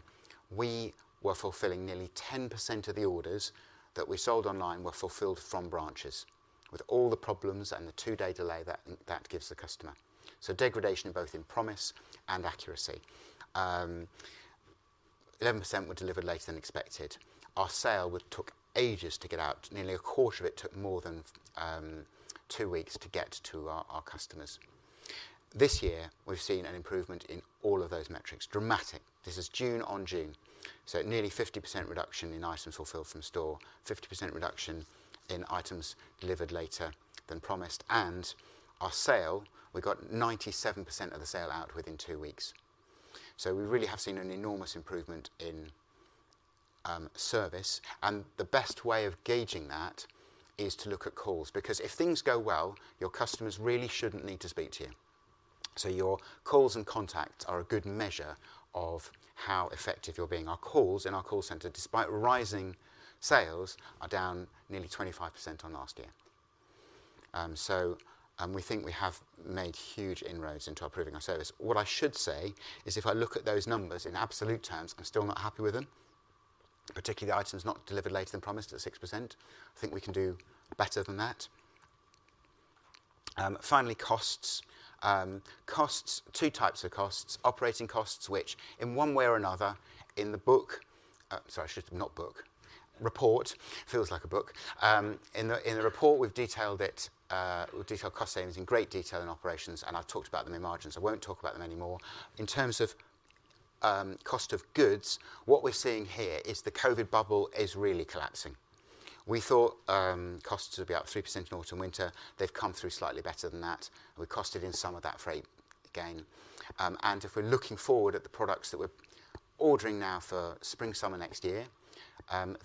we were fulfilling nearly 10% of the orders that we sold online were fulfilled from branches, with all the problems and the two-day delay that that gives the customer. So degradation in both in promise and accuracy. 11% were delivered later than expected. Our sale took ages to get out. Nearly a quarter of it took more than two weeks to get to our customers. This year, we've seen an improvement in all of those metrics. Dramatic. This is June on June, so nearly 50% reduction in items fulfilled from store, 50% reduction in items delivered later than promised, and our sale, we got 97% of the sale out within two weeks. So we really have seen an enormous improvement in service, and the best way of gauging that is to look at calls, because if things go well, your customers really shouldn't need to speak to you. So your calls and contacts are a good measure of how effective you're being. Our calls in our call center, despite rising sales, are down nearly 25% on last year. So we think we have made huge inroads into improving our service. What I should say is, if I look at those numbers in absolute terms, I'm still not happy with them, particularly the items not delivered later than promised at 6%. I think we can do better than that. Finally, costs. Costs, two types of costs, operating costs, which in one way or another in the report. Feels like a book. In the report, we've detailed it. We've detailed cost savings in great detail in operations, and I've talked about them in margins. I won't talk about them anymore. In terms of cost of goods, what we're seeing here is the COVID bubble is really collapsing. We thought costs would be up 3% in autumn, winter. They've come through slightly better than that. We costed in some of that freight again. And if we're looking forward at the products that we're ordering now for spring, summer next year,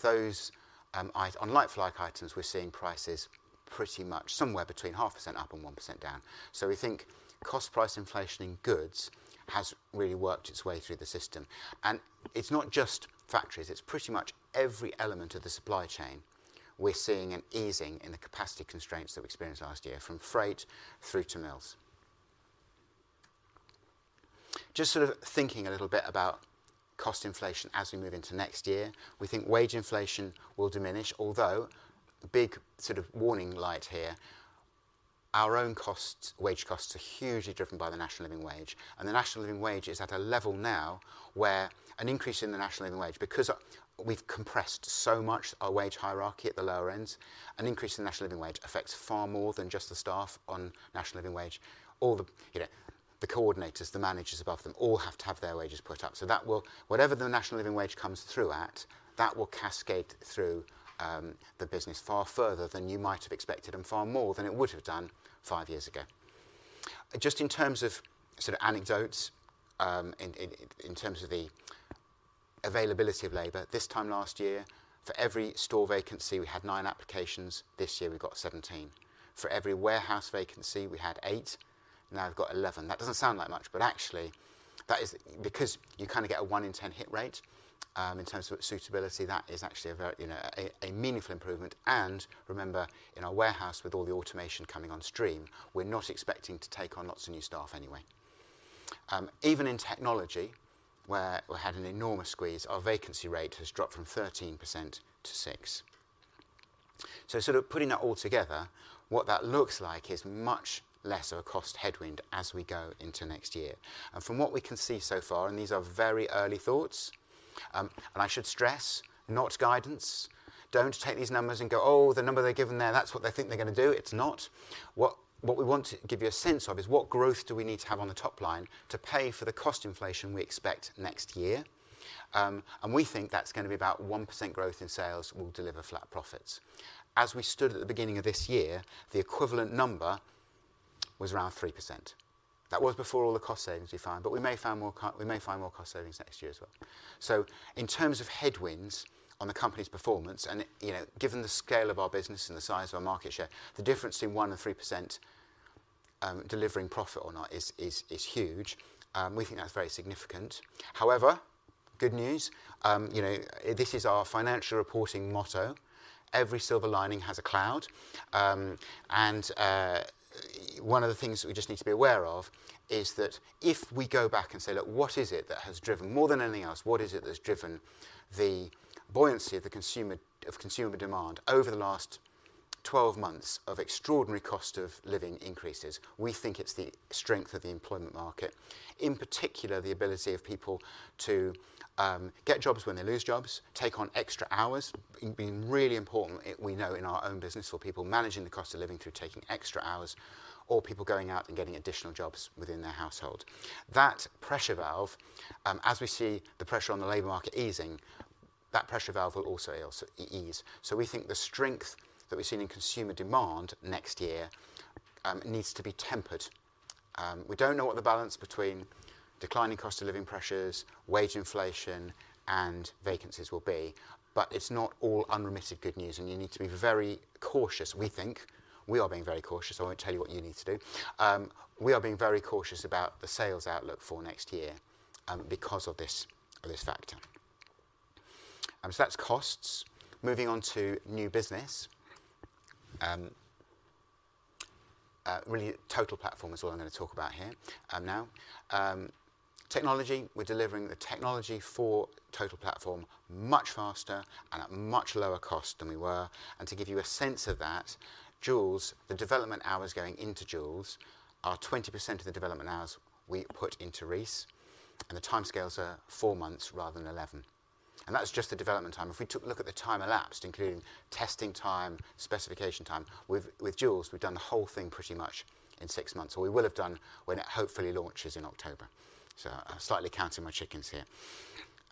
those online light flow items, we're seeing prices pretty much somewhere between 0.5% up and 1% down. So we think cost price inflation in goods has really worked its way through the system, and it's not just factories, it's pretty much every element of the supply chain. We're seeing an easing in the capacity constraints that we experienced last year, from freight through to mills. Just sort of thinking a little bit about cost inflation as we move into next year. We think wage inflation will diminish, although a big sort of warning light here, our own costs, wage costs, are hugely driven by the National Living Wage, and the National Living Wage is at a level now where an increase in the National Living Wage, because we've compressed so much our wage hierarchy at the lower end, an increase in the National Living Wage affects far more than just the staff on National Living Wage. All the, you know, the coordinators, the managers above them, all have to have their wages put up. So that will, whatever the National Living Wage comes through at, that will cascade through, the business far further than you might have expected, and far more than it would have done five years ago. Just in terms of sort of anecdotes, in terms of the availability of labor, this time last year, for every store vacancy, we had nine applications. This year, we've got 17. For every warehouse vacancy, we had eight, now we've got 11. That doesn't sound like much, but actually, that is because you kind of get a one in 10 hit rate, you know, in terms of suitability, that is actually a very, you know, a meaningful improvement and remember, in our warehouse, with all the automation coming on stream, we're not expecting to take on lots of new staff anyway. Even in technology, where we had an enormous squeeze, our vacancy rate has dropped from 13% to 6%. Sort of putting that all together, what that looks like is much less of a cost headwind as we go into next year. From what we can see so far, and these are very early thoughts, I should stress, not guidance. Don't take these numbers and go, "Oh, the number they're given there, that's what they think they're gonna do." It's not. What we want to give you a sense of is what growth do we need to have on the top line to pay for the cost inflation we expect next year? And we think that's gonna be about 1% growth in sales will deliver flat profits. As we stood at the beginning of this year, the equivalent number was around 3%. That was before all the cost savings we found, but we may find more cost savings next year as well. So in terms of headwinds on the company's performance and, you know, given the scale of our business and the size of our market share, the difference between 1% and 3%, delivering profit or not is huge. We think that's very significant. However, good news, you know, this is our financial reporting motto: Every silver lining has a cloud. One of the things that we just need to be aware of is that if we go back and say, "Look, what is it that has driven more than anything else, what is it that's driven the buoyancy of the consumer, of consumer demand over the last 12 months of extraordinary cost of living increases?" We think it's the strength of the employment market, in particular, the ability of people to get jobs when they lose jobs, take on extra hours, being really important. We know in our own business, for people managing the cost of living through taking extra hours or people going out and getting additional jobs within their household. That pressure valve, as we see the pressure on the labor market easing, that pressure valve will also ease. We think the strength that we've seen in consumer demand next year needs to be tempered. We don't know what the balance between declining cost of living pressures, wage inflation, and vacancies will be, but it's not all unremitted good news, and you need to be very cautious, we think. We are being very cautious. I won't tell you what you need to do. We are being very cautious about the sales outlook for next year, because of this, of this factor. That's costs. Moving on to new business, really, Total Platform is all I'm gonna talk about here, now. Technology, we're delivering the technology for Total Platform much faster and at much lower cost than we were. To give you a sense of that, Joules, the development hours going into Joules are 20% of the development hours we put into Reiss, and the timescales are four months rather than 11. That's just the development time. If we took a look at the time elapsed, including testing time, specification time, with Joules, we've done the whole thing pretty much in 6 months, or we will have done when it hopefully launches in October. I'm slightly counting my chickens here.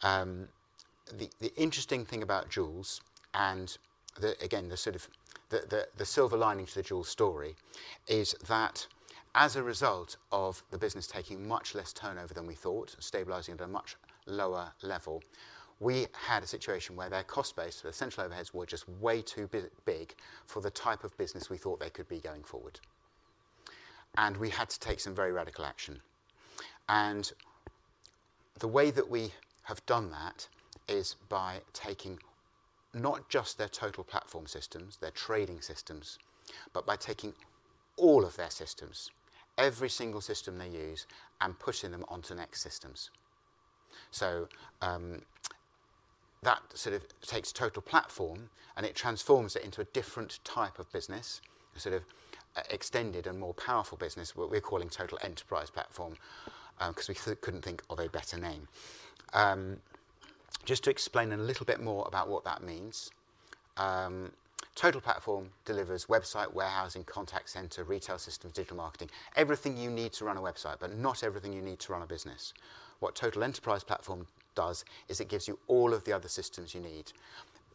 The interesting thing about Joules and, again, the sort of the silver lining to the Joules story is that as a result of the business taking much less turnover than we thought, stabilizing at a much lower level, we had a situation where their cost base, their central overheads, were just way too big for the type of business we thought they could be going forward, and we had to take some very radical action. The way that we have done that is by taking not just their Total Platform systems, their trading systems, but by taking all of their systems, every single system they use, and putting them onto Next systems. So, that sort of takes Total Platform, and it transforms it into a different type of business, a sort of extended and more powerful business, what we're calling Total Enterprise Platform, 'cause we couldn't think of a better name. Just to explain a little bit more about what that means, Total Platform delivers website, warehousing, contact center, retail systems, digital marketing, everything you need to run a website, but not everything you need to run a business. What Total Enterprise Platform does is it gives you all of the other systems you need.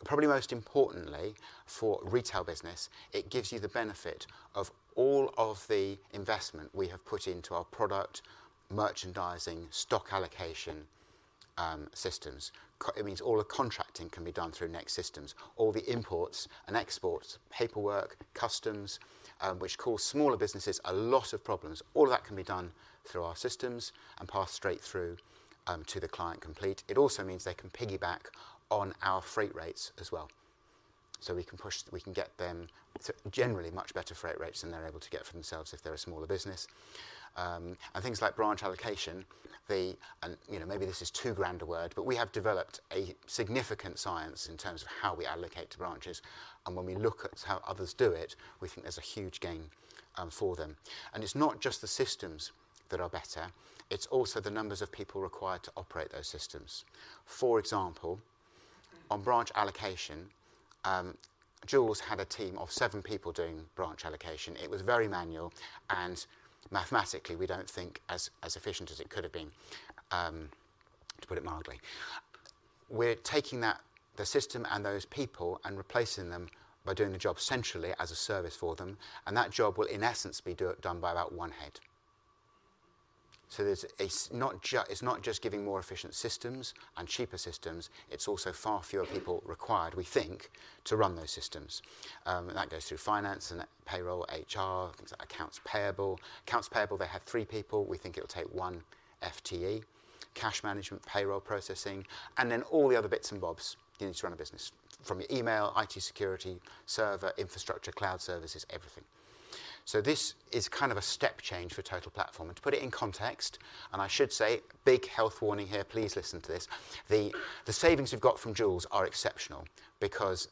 Probably most importantly, for retail business, it gives you the benefit of all of the investment we have put into our product, merchandising, stock allocation, systems. It means all the contracting can be done through Next systems, all the imports and exports, paperwork, customs, which cause smaller businesses a lot of problems. All of that can be done through our systems and passed straight through to the client complete. It also means they can piggyback on our freight rates as well. So we can push... we can get them to generally much better freight rates than they're able to get for themselves if they're a smaller business. And things like branch allocation, you know, maybe this is too grand a word, but we have developed a significant science in terms of how we allocate to branches, and when we look at how others do it, we think there's a huge gain for them. It's not just the systems that are better, it's also the numbers of people required to operate those systems. For example, on branch allocation, Joules had a team of seven people doing branch allocation. It was very manual, and mathematically, we don't think as efficient as it could have been, to put it mildly. We're taking that, the system and those people and replacing them by doing the job centrally as a service for them, and that job will, in essence, be done by about 1 head. It's not just giving more efficient systems and cheaper systems, it's also far fewer people required, we think, to run those systems. That goes through finance and payroll, HR, things like accounts payable. Accounts payable, they had three people. We think it'll take 1 FTE. Cash management, payroll processing, and then all the other bits and bobs you need to run a business, from your email, IT security, server, infrastructure, cloud services, everything. So this is kind of a step change for Total Platform, and to put it in context, and I should say, big health warning here, please listen to this: the savings we've got from Joules are exceptional because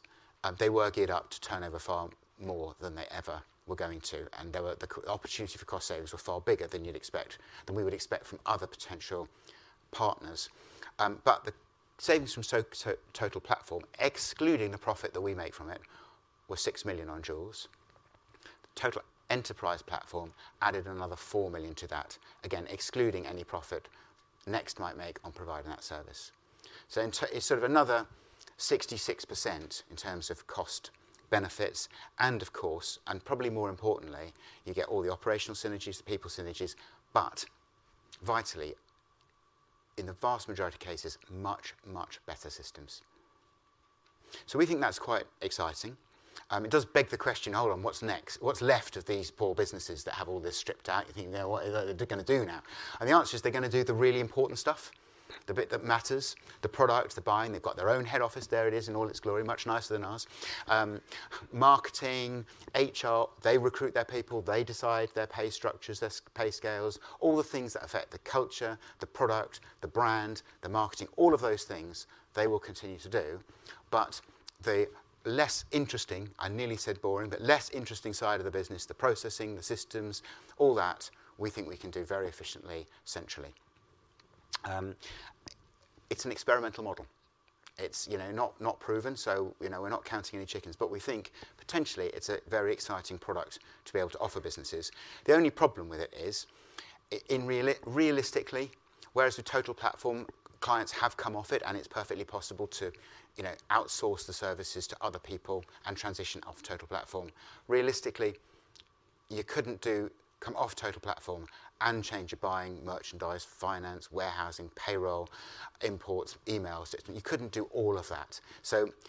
they were geared up to turnover far more than they ever were going to, and the opportunity for cost savings were far bigger than you'd expect, than we would expect from other potential partners. But the savings from Total Platform, excluding the profit that we make from it, were 6 million on Joules. Total Enterprise Platform added another 4 million to that, again, excluding any profit Next might make on providing that service. It's sort of another 66% in terms of cost benefits, and of course, and probably more importantly, you get all the operational synergies, the people synergies, but vitally, in the vast majority of cases, much, much better systems. So we think that's quite exciting. It does beg the question: Hold on, what's next? What's left of these poor businesses that have all this stripped out? You think, now, what are they gonna do now? And the answer is, they're gonna do the really important stuff, the bit that matters, the product, the buying. They've got their own head office. There it is in all its glory, much nicer than ours. Marketing, HR, they recruit their people, they decide their pay structures, their pay scales, all the things that affect the culture, the product, the brand, the marketing, all of those things they will continue to do, but the less interesting, I nearly said boring, but less interesting side of the business, the processing, the systems, all that, we think we can do very efficiently, centrally. It's an experimental model. It's, you know, not, not proven, so, you know, we're not counting any chickens, but we think potentially it's a very exciting product to be able to offer businesses. The only problem with it is-... in realit- realistically, whereas with Total Platform, clients have come off it, and it's perfectly possible to, you know, outsource the services to other people and transition off Total Platform. Realistically, you couldn't do, come off Total Platform and change your buying, merchandise, finance, warehousing, payroll, imports, email system. You couldn't do all of that.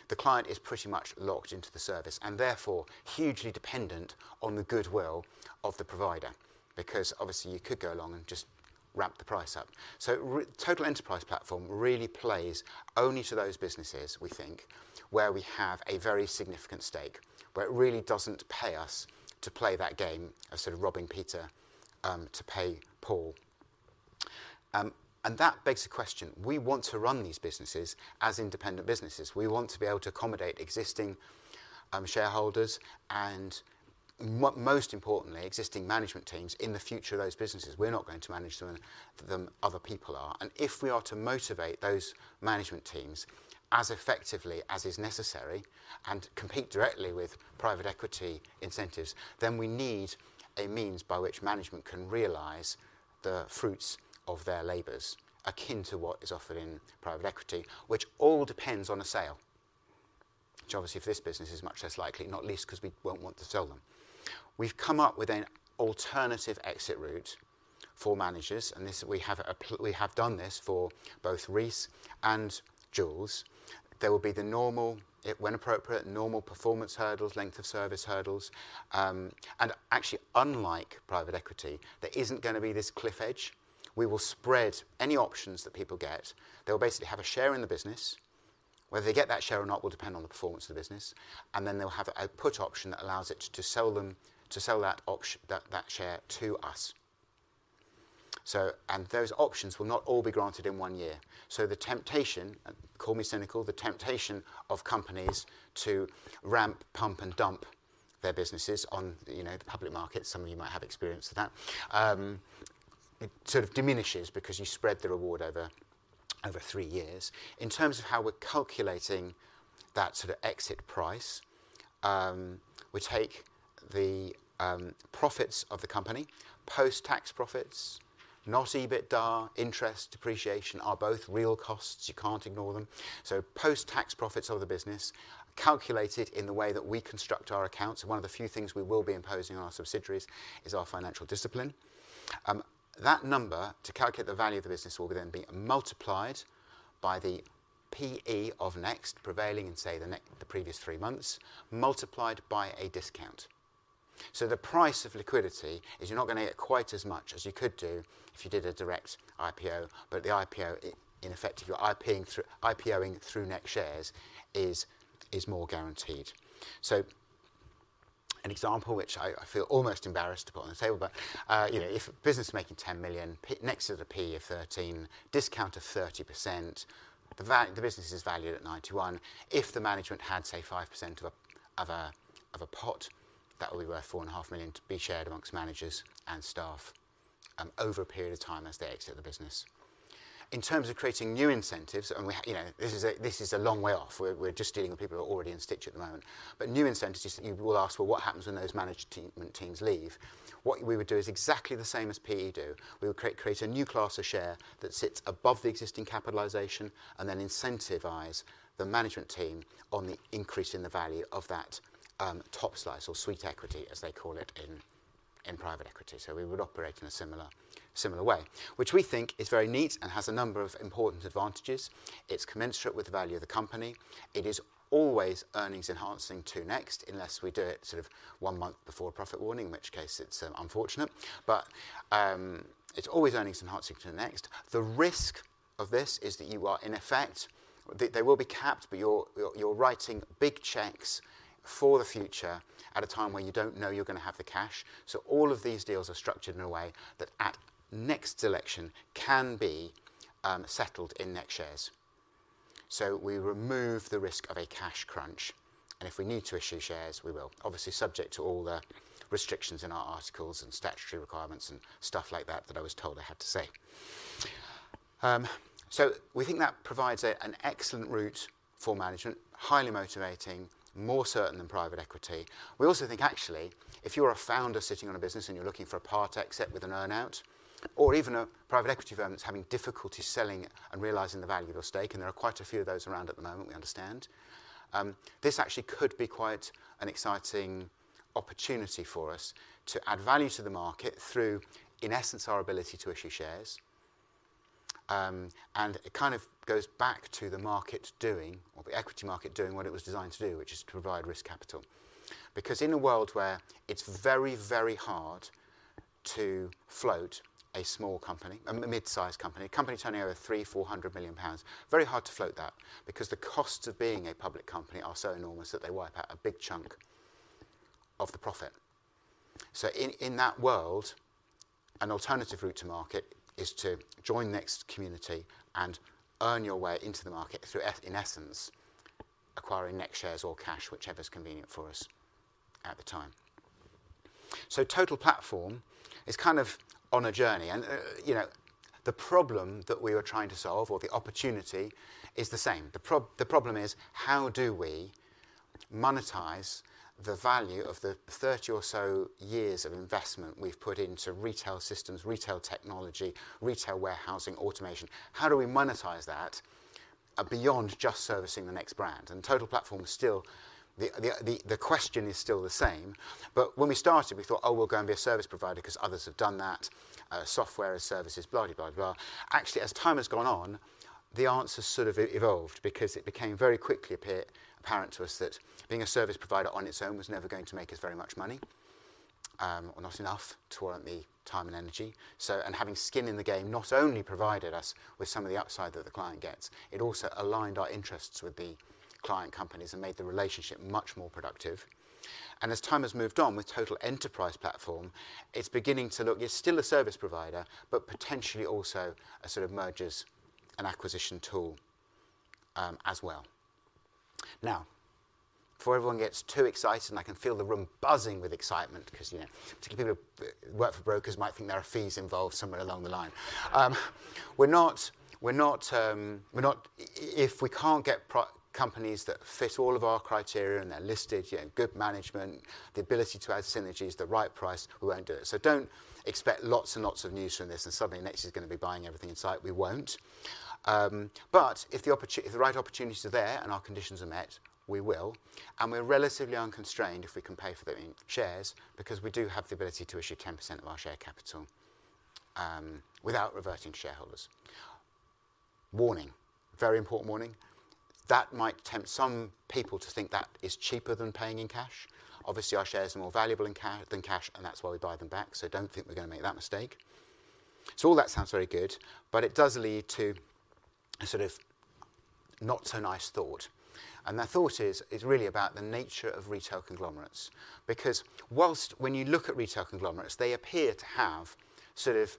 The client is pretty much locked into the service, and therefore, hugely dependent on the goodwill of the provider, because obviously, you could go along and just ramp the price up. Total Enterprise Platform really plays only to those businesses, we think, where we have a very significant stake, where it really doesn't pay us to play that game of sort of robbing Peter to pay Paul. That begs the question: we want to run these businesses as independent businesses. We want to be able to accommodate existing, shareholders and most importantly, existing management teams in the future of those businesses. We're not going to manage them, them, other people are. If we are to motivate those management teams as effectively as is necessary and compete directly with private equity incentives, then we need a means by which management can realize the fruits of their labors, akin to what is offered in private equity, which all depends on a sale. Which obviously, for this business is much less likely, not least 'cause we won't want to sell them. We've come up with an alternative exit route for managers, and this, we have done this for both Reiss and Joules. There will be the normal, if when appropriate, normal performance hurdles, length of service hurdles, and actually, unlike private equity, there isn't gonna be this cliff edge. We will spread any options that people get. They will basically have a share in the business. Whether they get that share or not, will depend on the performance of the business, and then they'll have a put option that allows it to sell that share to us. So, and those options will not all be granted in one year. So the temptation, call me cynical, the temptation of companies to ramp, pump, and dump their businesses on, you know, the public market, some of you might have experience with that, it sort of diminishes because you spread the reward over three years. In terms of how we're calculating that sort of exit price, we take the profits of the company, post-tax profits, not EBITDA. Interest, depreciation are both real costs, you can't ignore them. So post-tax profits of the business, calculated in the way that we construct our accounts, and one of the few things we will be imposing on our subsidiaries is our financial discipline. That number, to calculate the value of the business, will then be multiplied by the PE of Next prevailing in, say, the previous three months, multiplied by a discount. So the price of liquidity is you're not gonna get quite as much as you could do if you did a direct IPO, but the IPO, in effect, if you're IPOing through Next shares, is more guaranteed. So an example which I feel almost embarrassed to put on the table, but, you know, if a business is making 10 million, PE Next is a PE of 13, discount of 30%, the business is valued at 91 million. If the management had, say, 5% of a pot, that would be worth 4.5 million to be shared amongst managers and staff over a period of time as they exit the business. In terms of creating new incentives, you know, this is a long way off. We're just dealing with people who are already in situ at the moment. But new incentives, you will ask, "Well, what happens when those management teams leave?" What we would do is exactly the same as PE do. We would create a new class of share that sits above the existing capitalization, and then incentivise the management team on the increase in the value of that top slice or sweet equity, as they call it in private equity. We would operate in a similar, similar way, which we think is very neat and has a number of important advantages. It's commensurate with the value of the company. It is always earnings enhancing to Next, unless we do it sort of one month before a profit warning, in which case, it's unfortunate. It's always earnings enhancing to Next. The risk of this is that you are, in effect... They, they will be capped, but you're, you're writing big cheques for the future at a time when you don't know you're gonna have the cash. All of these deals are structured in a way that at Next's election, can be settled in Next shares. We remove the risk of a cash crunch, and if we need to issue shares, we will. Obviously, subject to all the restrictions in our articles and statutory requirements and stuff like that, that I was told I had to say. So we think that provides an excellent route for management, highly motivating, more certain than private equity. We also think, actually, if you're a founder sitting on a business and you're looking for a part exit with an earn-out, or even a private equity firm that's having difficulty selling and realizing the value of a stake, and there are quite a few of those around at the moment, we understand, this actually could be quite an exciting opportunity for us to add value to the market through, in essence, our ability to issue shares. And it kind of goes back to the market doing or the equity market doing what it was designed to do, which is to provide risk capital. Because in a world where it's very, very hard to float a small company, a mid-sized company, a company turning over 300 million, 400 million pounds, very hard to float that because the costs of being a public company are so enormous that they wipe out a big chunk of the profit. In that world, an alternative route to market is to join Next community and earn your way into the market through, in essence, acquiring Next shares or cash, whichever is convenient for us at the time. Total Platform is kind of on a journey, and, you know, the problem that we were trying to solve or the opportunity is the same. The problem is: how do we monetize the value of the 30 or so years of investment we've put into retail systems, retail technology, retail warehousing, automation. How do we monetize that, beyond just servicing the Next brand? Total Platform is still the, the question is still the same. When we started, we thought, "Oh, we'll go and be a service provider," because others have done that, software as services, blah, blah, blah. Actually, as time has gone on, the answer sort of evolved because it became very quickly apparent to us that being a service provider on its own was never going to make us very much money, or not enough to warrant the time and energy. Having skin in the game not only provided us with some of the upside that the client gets, it also aligned our interests with the client companies and made the relationship much more productive. As time has moved on with Total Enterprise Platform, it's beginning to look... It's still a service provider, but potentially also a sort of mergers and acquisition tool, as well. Now, before everyone gets too excited, and I can feel the room buzzing with excitement because, you know, particularly people who work for brokers might think there are fees involved somewhere along the line. We're not—if we can't get companies that fit all of our criteria, and they're listed, you know, good management, the ability to add synergies, the right price, we won't do it. So don't expect lots and lots of news from this, and suddenly Next is going to be buying everything in sight. We won't. But if the opport... If the right opportunities are there and our conditions are met, we will, and we're relatively unconstrained if we can pay for them in shares, because we do have the ability to issue 10% of our share capital, without reverting shareholders. Warning, very important warning, that might tempt some people to think that is cheaper than paying in cash. Obviously, our shares are more valuable than cash, and that's why we buy them back, so don't think we're going to make that mistake. All that sounds very good, but it does lead to a sort of not so nice thought, and that thought is, is really about the nature of retail conglomerates. Because whilst when you look at retail conglomerates, they appear to have sort of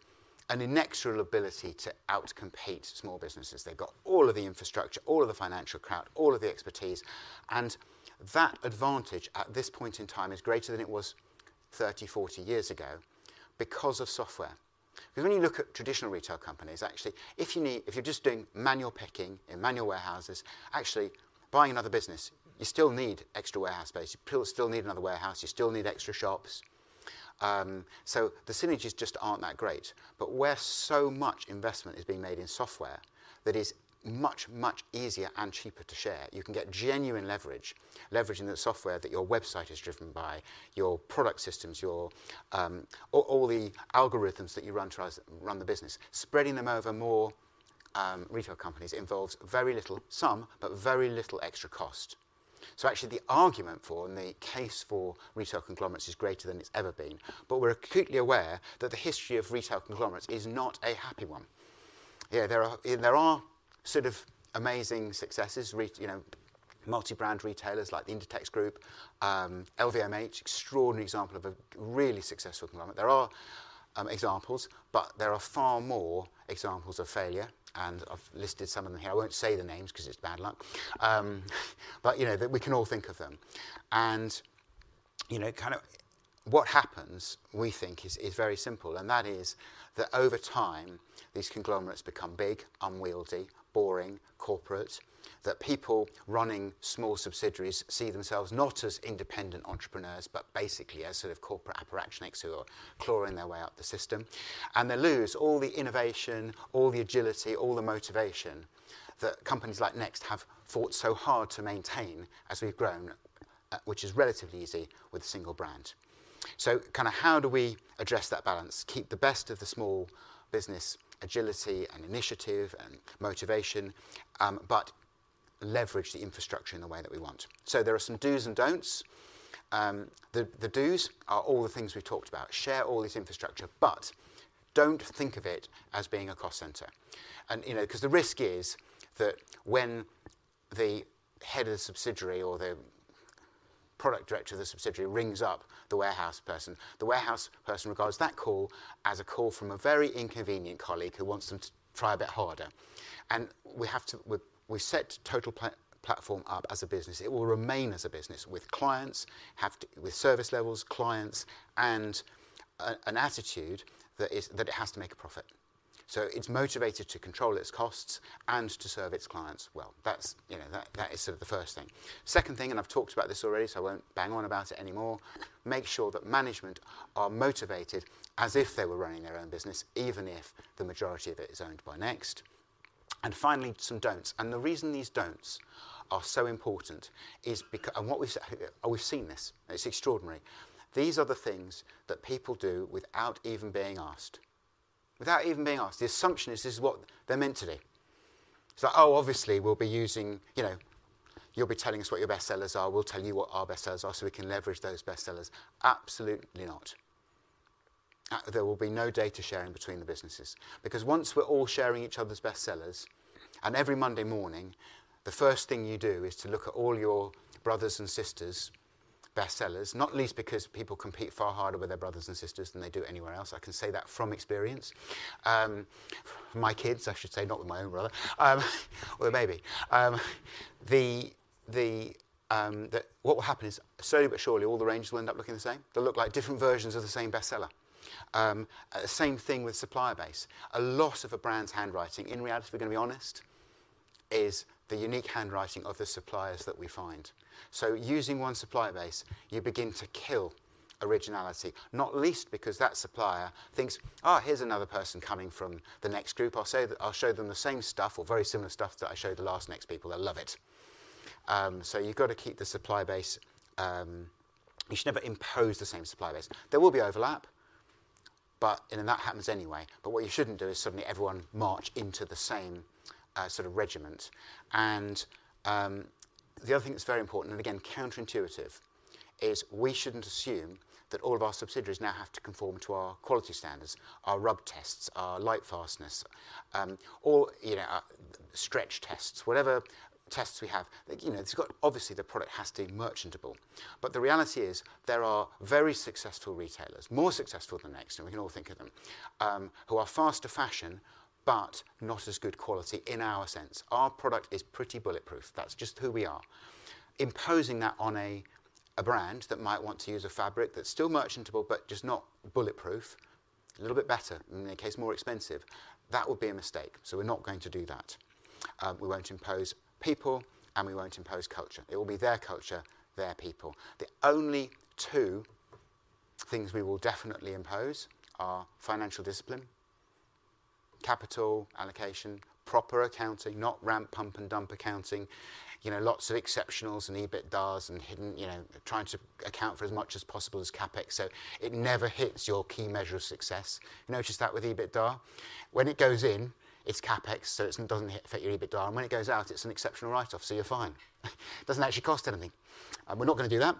an inexorable ability to out-compete small businesses. They've got all of the infrastructure, all of the financial clout, all of the expertise, and that advantage, at this point in time, is greater than it was 30, 40 years ago because of software. Because when you look at traditional retail companies, actually, if you're just doing manual picking in manual warehouses, actually buying another business, you still need extra warehouse space. You still need another warehouse, you still need extra shops. So the synergies just aren't that great. But where so much investment is being made in software, that is much, much easier and cheaper to share. You can get genuine leverage, leverage in the software that your website is driven by, your product systems, your all the algorithms that you run to run the business. Spreading them over more retail companies involves very little, some, but very little extra cost. So actually, the argument for and the case for retail conglomerates is greater than it's ever been, but we're acutely aware that the history of retail conglomerates is not a happy one. Yeah, there are, there are sort of amazing successes, you know, multi-brand retailers like the Inditex group, LVMH, extraordinary example of a really successful conglomerate. There are, examples, but there are far more examples of failure, and I've listed some of them here. I won't say the names 'cause it's bad luck, but you know, we can all think of them. You know, kind of what happens, we think, is very simple, and that is that over time, these conglomerates become big, unwieldy, boring, corporate, that people running small subsidiaries see themselves not as independent entrepreneurs, but basically as sort of corporate apparatchiks who are clawing their way up the system, and they lose all the innovation, all the agility, all the motivation that companies like Next have fought so hard to maintain as we've grown, which is relatively easy with a single brand. So kind of how do we address that balance? Keep the best of the small business agility and initiative and motivation, but leverage the infrastructure in the way that we want. So there are some dos and don'ts. The dos are all the things we've talked about. Share all this infrastructure, but don't think of it as being a cost center. You know, the risk is that when the head of the subsidiary or the product director of the subsidiary rings up the warehouse person, the warehouse person regards that call as a call from a very inconvenient colleague who wants them to try a bit harder. We set Total Platform up as a business. It will remain as a business with clients, have to... With service levels, clients, and an attitude that is, that it has to make a profit. So it's motivated to control its costs and to serve its clients well. That's, you know, that is sort of the first thing. Second thing, and I've talked about this already, so I won't bang on about it anymore: make sure that management are motivated as if they were running their own business, even if the majority of it is owned by Next. And finally, some don'ts, and the reason these don'ts are so important is and what we've said, we've seen this, and it's extraordinary. These are the things that people do without even being asked. Without even being asked. The assumption is, this is what they're meant to do. So, oh, obviously, we'll be using... You know, you'll be telling us what your best sellers are. We'll tell you what our best sellers are, so we can leverage those best sellers. Absolutely not. There will be no data sharing between the businesses because once we're all sharing each other's best sellers, every Monday morning, the first thing you do is to look at all your brothers' and sisters' best sellers, not least because people compete far harder with their brothers and sisters than they do anywhere else. I can say that from experience, my kids, I should say, not with my own brother, or maybe. What will happen is, slowly but surely, all the ranges will end up looking the same. They'll look like different versions of the same bestseller. Same thing with supplier base. A lot of a brand's handwriting, in reality, if we're gonna be honest, is the unique handwriting of the suppliers that we find. So using one supplier base, you begin to kill originality, not least because that supplier thinks, "Ah, here's another person coming from the Next Group. I'll say that I'll show them the same stuff or very similar stuff that I showed the last Next people. They'll love it." So you've got to keep the supplier base, you should never impose the same supplier base. There will be overlap, but that happens anyway. But what you shouldn't do is suddenly everyone march into the same, sort of regiment. And, the other thing that's very important, and again, counterintuitive, is we shouldn't assume that all of our subsidiaries now have to conform to our quality standards, our rub tests, our lightfastness, or, you know, our stretch tests, whatever tests we have. You know, it's got, obviously, the product has to be merchantable, but the reality is there are very successful retailers, more successful than Next, and we can all think of them, who are fast fashion but not as good quality in our sense. Our product is pretty bulletproof. That's just who we are. Imposing that on a brand that might want to use a fabric that's still merchantable but just not bulletproof, a little bit better, in their case, more expensive, that would be a mistake. So we're not going to do that. We won't impose people, and we won't impose culture. It will be their culture, their people. The only two things we will definitely impose are financial discipline, capital allocation, proper accounting, not ramp, pump, and dump accounting, you know, lots of exceptionals and EBITDAs and hidden, you know, trying to account for as much as possible as CapEx, so it never hits your key measure of success. You notice that with EBITDA? When it goes in, it's CapEx, so it doesn't affect your EBITDA, and when it goes out, it's an exceptional write-off, so you're fine. It doesn't actually cost anything. We're not going to do that.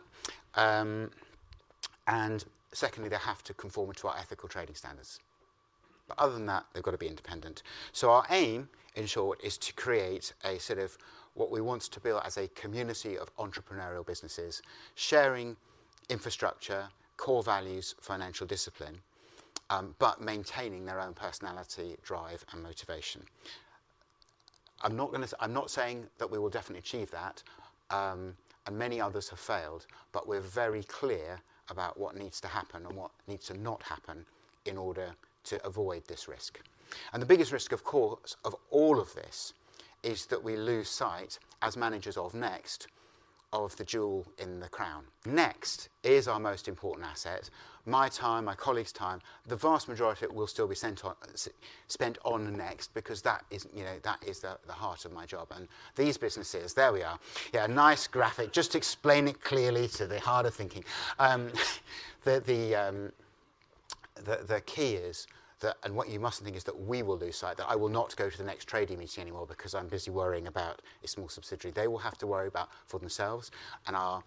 They have to conform to our ethical trading standards. Other than that, they've got to be independent. So our aim, in short, is to create a sort of what we want to build as a community of entrepreneurial businesses, sharing infrastructure, core values, financial discipline, but maintaining their own personality, drive, and motivation. I'm not saying that we will definitely achieve that, and many others have failed, but we're very clear about what needs to happen and what needs to not happen in order to avoid this risk. And the biggest risk, of course, of all of this, is that we lose sight, as managers of Next, of the jewel in the crown. Next is our most important asset. My time, my colleagues' time, the vast majority of it will still be spent on Next because that is, you know, that is the heart of my job and these businesses. There we are. Yeah, a nice graphic. Just explain it clearly to the harder thinking. The key is that, and what you mustn't think, is that we will lose sight, that I will not go to the Next trade meeting anymore because I'm busy worrying about a small subsidiary. They will have to worry about for themselves, and our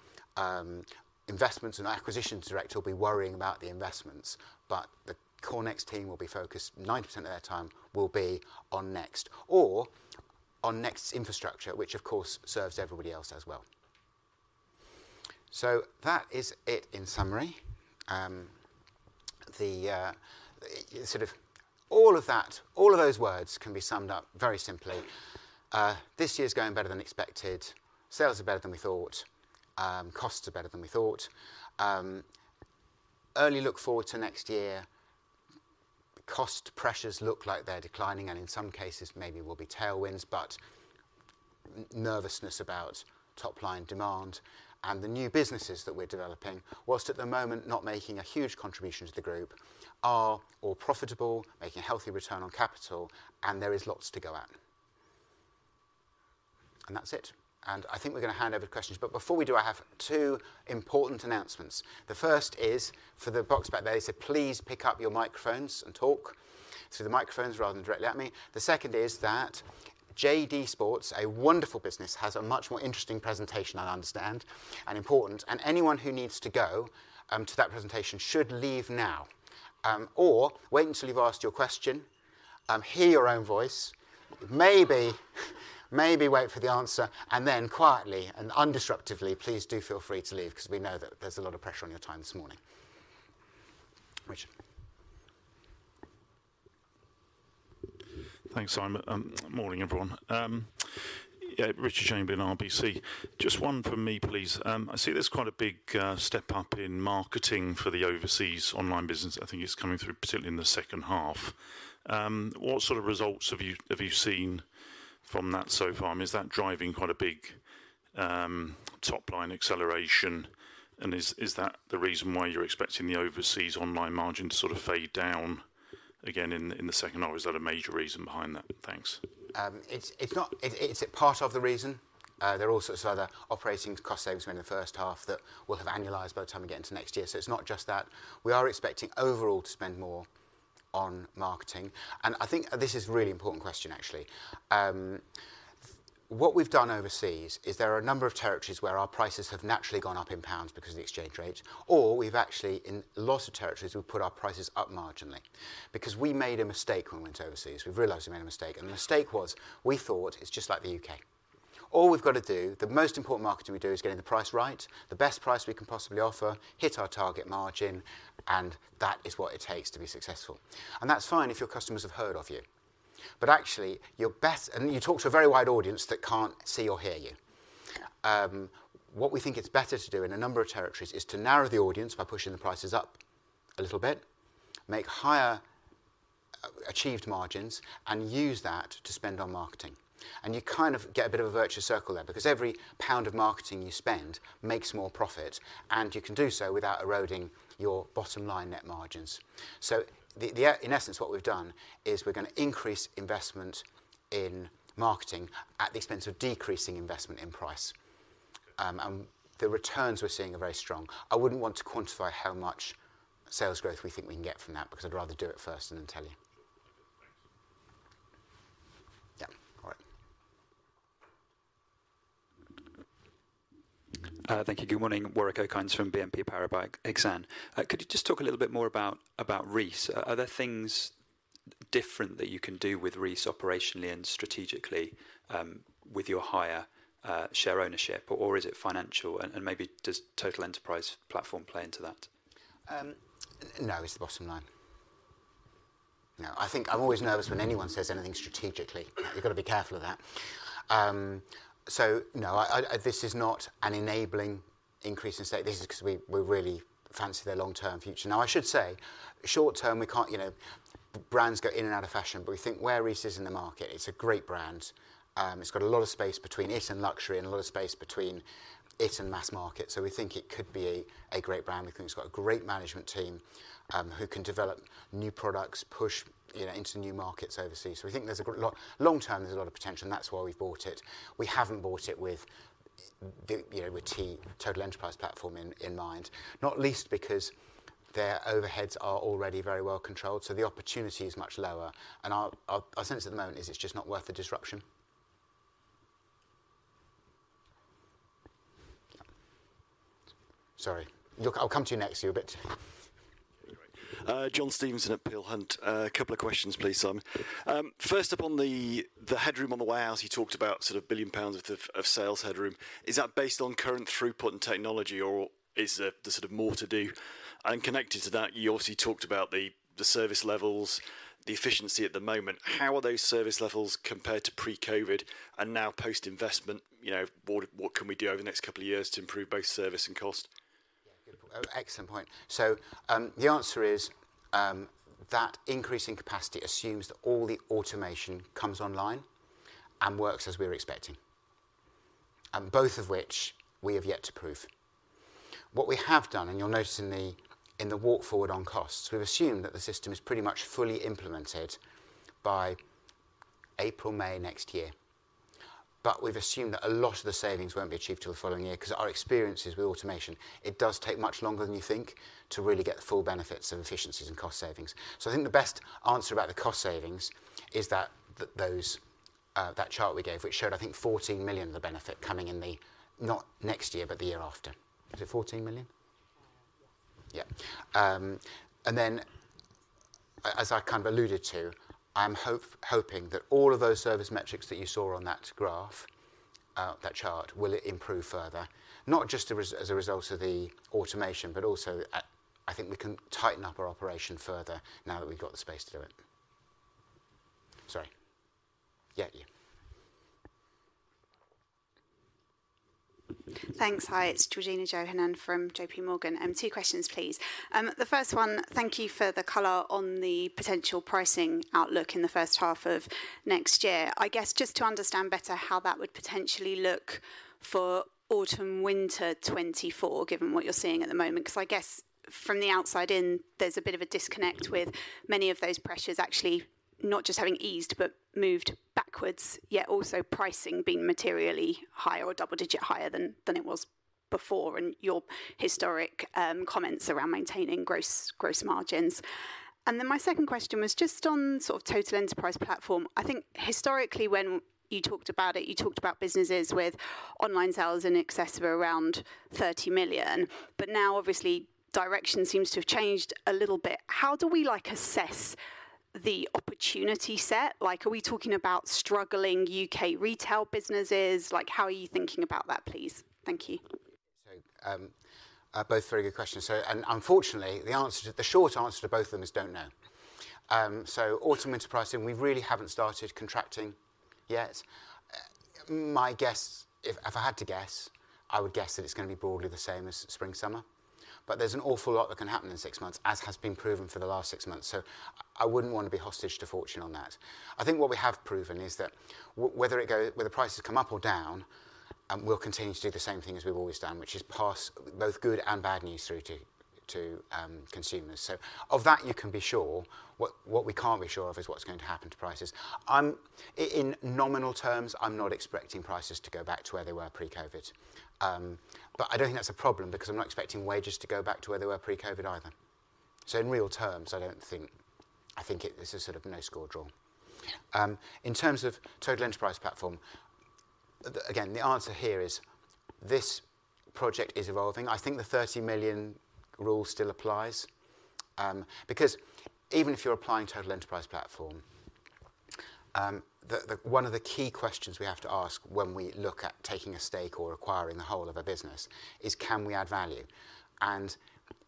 investments and acquisitions director will be worrying about the investments, but the core Next team will be focused, 90% of their time will be on Next or on Next's infrastructure, which, of course, serves everybody else as well. So that is it in summary. Sort of all of that, all of those words can be summed up very simply. This year's going better than expected. Sales are better than we thought. Costs are better than we thought. Early look forward to next year, cost pressures look like they're declining, and in some cases, maybe will be tailwinds, but nervousness about top-line demand and the new businesses that we're developing, whilst at the moment not making a huge contribution to the group, are all profitable, making a healthy return on capital, and there is lots to go at. And that's it. And I think we're going to hand over to questions, but before we do, I have two important announcements. The first is for the box back there, so please pick up your microphones and talk through the microphones rather than directly at me. The second is that JD Sports, a wonderful business, has a much more interesting presentation, I understand, and important, and anyone who needs to go to that presentation should leave now, or wait until you've asked your question, hear your own voice, maybe, maybe wait for the answer, and then quietly and undisruptively, please do feel free to leave because we know that there's a lot of pressure on your time this morning. Richard. Thanks, Simon. Morning, everyone. Yeah, Richard Chamberlain, RBC. Just one from me, please. I see there's quite a big step up in marketing for the overseas online business. I think it's coming through, particularly in the second half. What sort of results have you seen from that so far? I mean, is that driving quite a big top-line acceleration, and is that the reason why you're expecting the overseas online margin to sort of fade down again in the second half, or is that a major reason behind that? Thanks. It's part of the reason. There are all sorts of other operating cost savings made in the first half that will have annualized by the time we get into next year, so it's not just that. We are expecting overall to spend more on marketing, and I think this is a really important question, actually. What we've done overseas is there are a number of territories where our prices have naturally gone up in pounds because of the exchange rate, or we've actually, in a lot of territories, we've put our prices up marginally because we made a mistake when we went overseas. We've realized we made a mistake, and the mistake was we thought it's just like the U.K. All we've got to do, the most important marketing we do, is getting the price right, the best price we can possibly offer, hit our target margin, and that is what it takes to be successful. And that's fine if your customers have heard of you, but actually, your best... And you talk to a very wide audience that can't see or hear you.... what we think it's better to do in a number of territories is to narrow the audience by pushing the prices up a little bit, make higher, achieved margins, and use that to spend on marketing. And you kind of get a bit of a virtuous circle there, because every pound of marketing you spend makes more profit, and you can do so without eroding your bottom line net margins. So in essence, what we've done is we're going to increase investment in marketing at the expense of decreasing investment in price. The returns we're seeing are very strong. I wouldn't want to quantify how much sales growth we think we can get from that, because I'd rather do it first and then tell you. Sure. Okay, thanks. Yeah. All right. Thank you. Good morning, Warwick Okines from BNP Paribas Exane. Could you just talk a little bit more about Reiss? Are there things different that you can do with Reiss operationally and strategically, with your higher share ownership, or is it financial? And maybe does Total Enterprise Platform play into that? No, it's the bottom line. No, I think I'm always nervous when anyone says anything strategically. You've got to be careful of that. No, this is not an enabling increase in state. This is 'cause we really fancy their long-term future. Now, I should say, short term, we can't... you know, brands go in and out of fashion, but we think where Reiss is in the market, it's a great brand. It's got a lot of space between it and luxury and a lot of space between it and mass market, so we think it could be a great brand. We think it's got a great management team, who can develop new products, push, you know, into new markets overseas. We think there's a lot-- long term, there's a lot of potential, and that's why we've bought it. We haven't bought it with the, you know, with TE, Total Enterprise Platform in mind, not least because their overheads are already very well controlled, so the opportunity is much lower. And our sense at the moment is it's just not worth the disruption. Sorry. Look, I'll come to you next, you, but- John Stevenson at Peel Hunt. A couple of questions, please, Simon. First up, on the headroom on the warehouse, you talked about sort of 1 billion pounds worth of sales headroom. Is that based on current throughput and technology, or is there sort of more to do? And connected to that, you obviously talked about the service levels, the efficiency at the moment. How are those service levels compared to pre-COVID, and now post-investment, you know, what can we do over the next couple of years to improve both service and cost? Yeah, good point. Oh, excellent point. The answer is, that increase in capacity assumes that all the automation comes online and works as we're expecting, both of which we have yet to prove. What we have done, and you'll notice in the walk forward on costs, we've assumed that the system is pretty much fully implemented by April, May next year. We've assumed that a lot of the savings won't be achieved till the following year, 'cause our experience is with automation, it does take much longer than you think to really get the full benefits of efficiencies and cost savings. I think the best answer about the cost savings is that, that chart we gave, which showed, I think, 14 million, the benefit coming in the, not next year, but the year after. Is it 14 million? Yeah. Yeah. And then as I kind of alluded to, I'm hoping that all of those service metrics that you saw on that graph, that chart, will improve further, not just as a result of the automation, but also I think we can tighten up our operation further now that we've got the space to do it. Sorry. Yeah, you. Thanks. Hi, it's Georgina Johanan from JPMorgan. Two questions, please. The first one, thank you for the color on the potential pricing outlook in the first half of next year. I guess, just to understand better how that would potentially look for autumn, winter 2024, given what you're seeing at the moment, 'cause I guess from the outside in, there's a bit of a disconnect with many of those pressures, actually, not just having eased, but moved backwards, yet also pricing being materially higher or double-digit higher than, than it was before, and your historic comments around maintaining gross, gross margins. And then my second question was just on sort of Total Enterprise Platform. I think historically when you talked about it, you talked about businesses with online sales in excess of around 30 million, but now obviously, direction seems to have changed a little bit. How do we, like, assess the opportunity set? Like, are we talking about struggling UK retail businesses? Like, how are you thinking about that, please? Thank you. Both very good questions. Unfortunately, the short answer to both of them is don't know. Autumn winter pricing, we really haven't started contracting yet. My guess, if I had to guess, I would guess that it's going to be broadly the same as spring summer. But there's an awful lot that can happen in six months, as has been proven for the last six months. So I wouldn't want to be hostage to fortune on that. I think what we have proven is that whether prices come up or down, we'll continue to do the same thing as we've always done, which is pass both good and bad news through to consumers. So of that, you can be sure. What we can't be sure of is what's going to happen to prices. In nominal terms, I'm not expecting prices to go back to where they were pre-COVID. I don't think that's a problem because I'm not expecting wages to go back to where they were pre-COVID either. In real terms, I don't think... I think it, this is sort of no score draw. In terms of Total Enterprise Platform, again, the answer here is this project is evolving. I think the 30 million rule still applies, because even if you're applying Total Enterprise Platform, one of the key questions we have to ask when we look at taking a stake or acquiring the whole of a business is: Can we add value? And...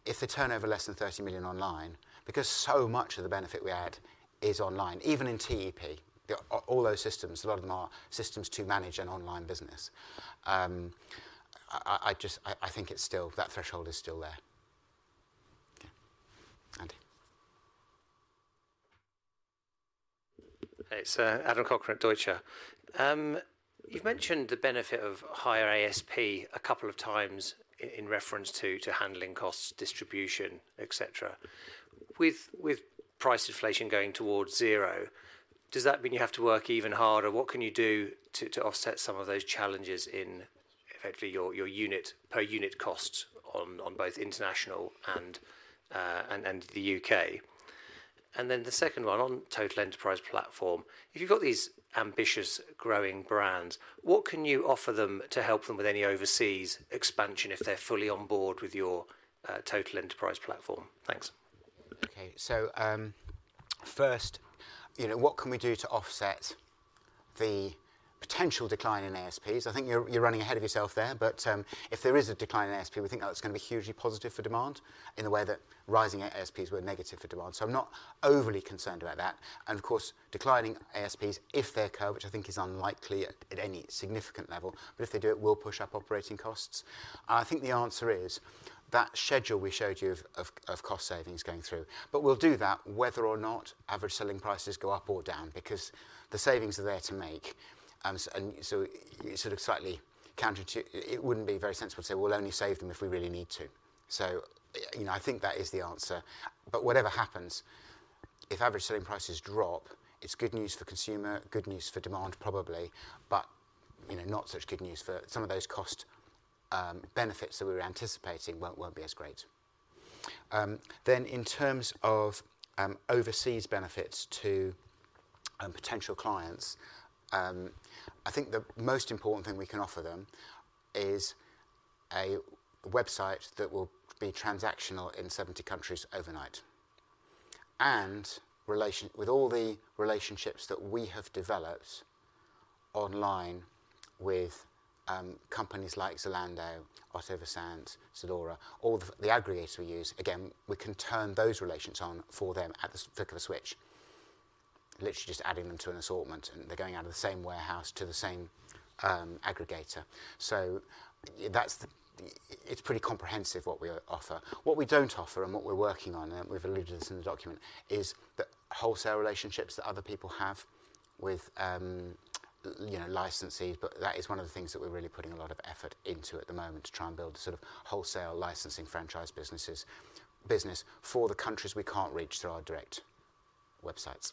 If the turnover less than 30 million online, because so much of the benefit we add is online, even in TEP. All those systems, a lot of them are systems to manage an online business. I just think it's still, that threshold is still there. Okay. Andy. Hey, so Adam Cochrane at Deutsche. You've mentioned the benefit of higher ASP a couple of times in reference to handling costs, distribution, et cetera. With price inflation going towards zero, does that mean you have to work even harder? What can you do to offset some of those challenges in effectively your unit, per unit costs on both international and the UK? And then the second one, on Total Enterprise Platform, if you've got these ambitious growing brands, what can you offer them to help them with any overseas expansion if they're fully on board with your Total Enterprise Platform? Thanks. Okay. So, first, you know, what can we do to offset the potential decline in ASPs? I think you're, you're running ahead of yourself there, but, if there is a decline in ASP, we think that's going to be hugely positive for demand in the way that rising ASPs were negative for demand. So I'm not overly concerned about that. And of course, declining ASPs, if they occur, which I think is unlikely at, at any significant level, but if they do, it will push up operating costs. I think the answer is that schedule we showed you of cost savings going through, but we'll do that whether or not average selling prices go up or down because the savings are there to make. So, and so you sort of slightly counter to... It wouldn't be very sensible to say, "We'll only save them if we really need to." So, you know, I think that is the answer. But whatever happens, if average selling prices drop, it's good news for consumer, good news for demand, probably, but, you know, not such good news for some of those cost benefits that we were anticipating won't be as great. Then in terms of overseas benefits to potential clients, I think the most important thing we can offer them is a website that will be transactional in 70 countries overnight. And, with all the relationships that we have developed online with companies like Zalando, Otto Group, ZALORA, all the aggregators we use, again, we can turn those relations on for them at the flick of a switch. Literally just adding them to an assortment, and they're going out of the same warehouse to the same aggregator. That's the, it's pretty comprehensive what we offer. What we don't offer and what we're working on, and we've alluded to this in the document, is the wholesale relationships that other people have with, you know, licensees, but that is one of the things that we're really putting a lot of effort into at the moment to try and build a sort of wholesale licensing franchise business for the countries we can't reach through our direct websites.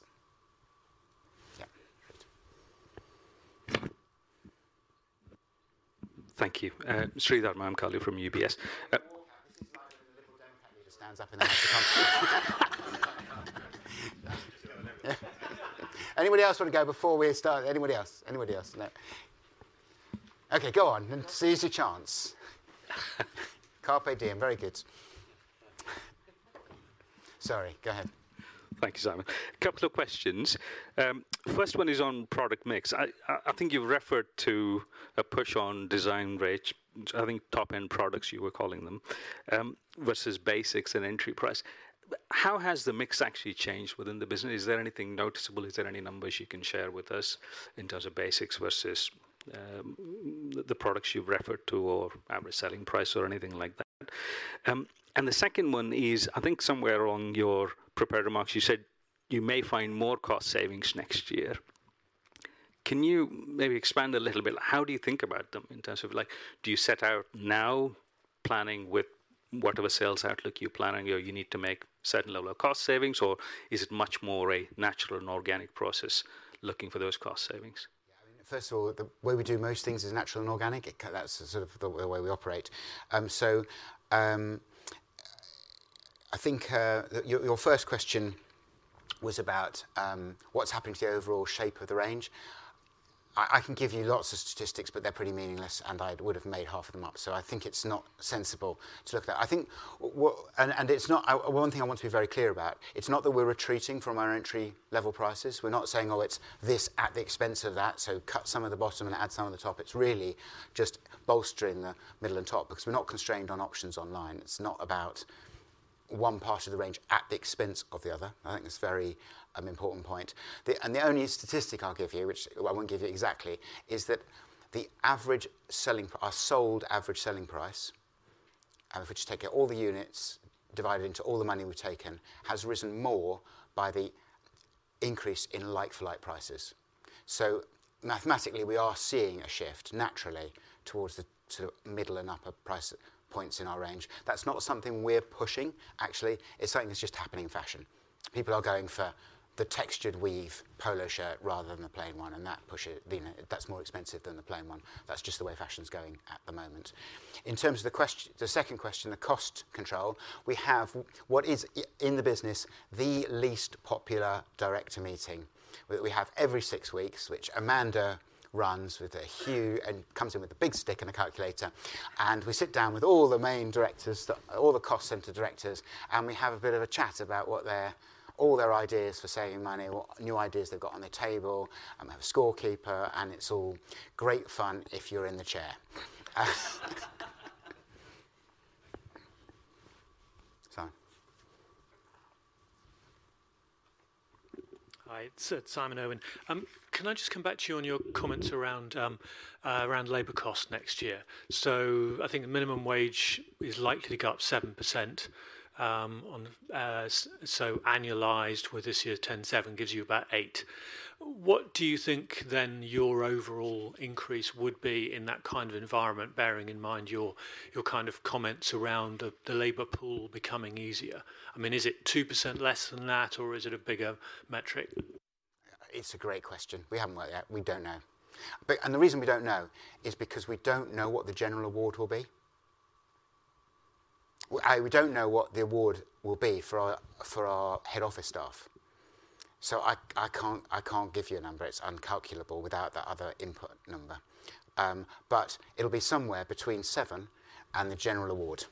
Yeah, great. Thank you. Sreedhar Mahamkali from UBS. The Liberal Democrat leader stands up in the House of Commons. Anybody else want to go before we start? Anybody else? Anybody else? No. Okay, go on. Seize the chance. Carpe diem, very good. Sorry, go ahead. Thank you, Simon. A couple of questions. First one is on product mix. I think you've referred to a push on design range, I think top-end products, you were calling them, versus basics and entry price. How has the mix actually changed within the business? Is there anything noticeable? Is there any numbers you can share with us in terms of basics versus the products you've referred to, or average selling price or anything like that? And the second one is, I think somewhere on your prepared remarks, you said you may find more cost savings next year. Can you maybe expand a little bit? How do you think about them in terms of like, do you set out now planning with whatever sales outlook you're planning, or you need to make certain level of cost savings, or is it much more a natural and organic process looking for those cost savings? Yeah, first of all, the way we do most things is natural and organic. That's sort of the way we operate. So, I think your first question was about what's happening to the overall shape of the range. I can give you lots of statistics, but they're pretty meaningless, and I would have made half of them up, so I think it's not sensible to look at that. I think what... It's not that we're retreating from our entry-level prices. We're not saying: Oh, it's this at the expense of that, so cut some of the bottom and add some of the top. It's really just bolstering the middle and top because we're not constrained on options online. It's not about one part of the range at the expense of the other. I think that's a very, important point. The only statistic I'll give you, which I won't give you exactly, is that the average selling, our sold average selling price, which take out all the units, divide it into all the money we've taken, has risen more by the increase in like-for-like prices. So mathematically, we are seeing a shift naturally towards the, to middle and upper price points in our range. That's not something we're pushing, actually, it's something that's just happening in fashion. People are going for the textured weave polo shirt rather than the plain one, and that pushes the... You know, that's more expensive than the plain one. That's just the way fashion is going at the moment. In terms of the second question, the cost control, we have what is in the business, the least popular director meeting. We have every six weeks, which Amanda runs with a huge-- and comes in with a big stick and a calculator, and we sit down with all the main directors, all the cost center directors, and we have a bit of a chat about what their, all their ideas for saving money, what new ideas they've got on the table, have a scorekeeper, and it's all great fun if you're in the chair. Sorry. It's Simon Irwin. Can I just come back to you on your comments around around labor cost next year? So I think the minimum wage is likely to go up 7% on so annualized with this year's 10.7% gives you about 8%. What do you think then your overall increase would be in that kind of environment, bearing in mind your your kind of comments around the the labor pool becoming easier? I mean, is it two percent less than that, or is it a bigger metric? It's a great question. We haven't worked it out. We don't know. The reason we don't know is because we don't know what the general award will be. We don't know what the award will be for our head office staff. I can't give you a number. It's incalculable without that other input number. It'll be somewhere between 7% and the general award.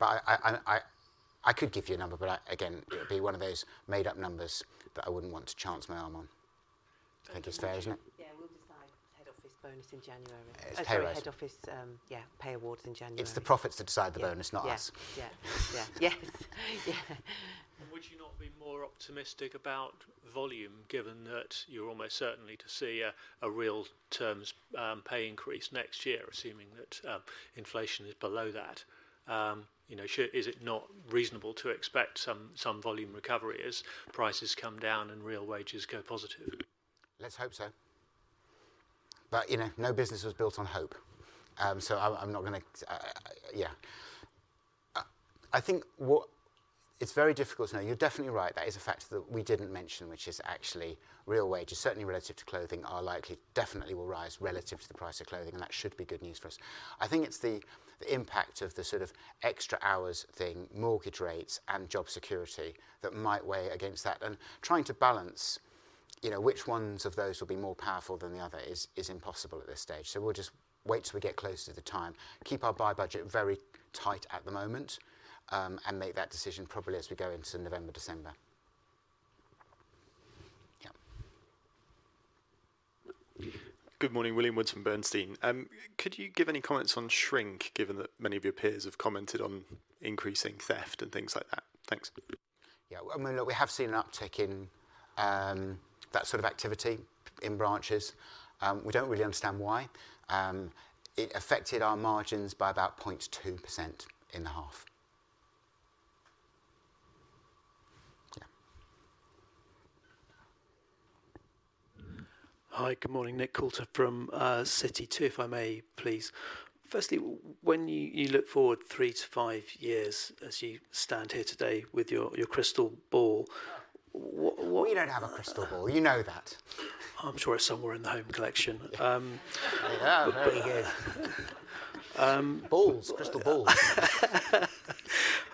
I could give you a number, but again, it would be one of those made-up numbers that I wouldn't want to chance my arm on. I think it's fair, isn't it? Yeah, we'll decide head office bonus in January. It's hilarious. Sorry, head office, yeah, pay awards in January. It's the profits that decide the bonus, not us. Yeah. Would you not be more optimistic about volume, given that you're almost certainly to see a real terms pay increase next year, assuming that inflation is below that? You know, is it not reasonable to expect some volume recovery as prices come down and real wages go positive? Let's hope so. You know, no business was built on hope. I think what-- It's very difficult to know. You're definitely right, that is a factor that we didn't mention, which is actually real wages, certainly relative to clothing, are likely, definitely will rise relative to the price of clothing, and that should be good news for us. I think it's the impact of the sort of extra hours thing, mortgage rates, and job security that might weigh against that. Trying to balance, you know, which ones of those will be more powerful than the other is impossible at this stage. We'll just wait till we get closer to the time, keep our buy budget very tight at the moment, and make that decision probably as we go into November, December. Yeah. Good morning. William Woods from Bernstein. Could you give any comments on shrink, given that many of your peers have commented on increasing theft and things like that? Thanks. Yeah, I mean, look, we have seen an uptick in that sort of activity in branches. We don't really understand why. It affected our margins by about 0.2% in the half. Yeah. Hi, good morning. Nick Coulter from Citi, too, if I may, please. Firstly, when you look forward three to five years as you stand here today with your crystal ball, what- We don't have a crystal ball, you know that. I'm sure it's somewhere in the Home collection. Yeah, very good. Um- Balls, crystal balls.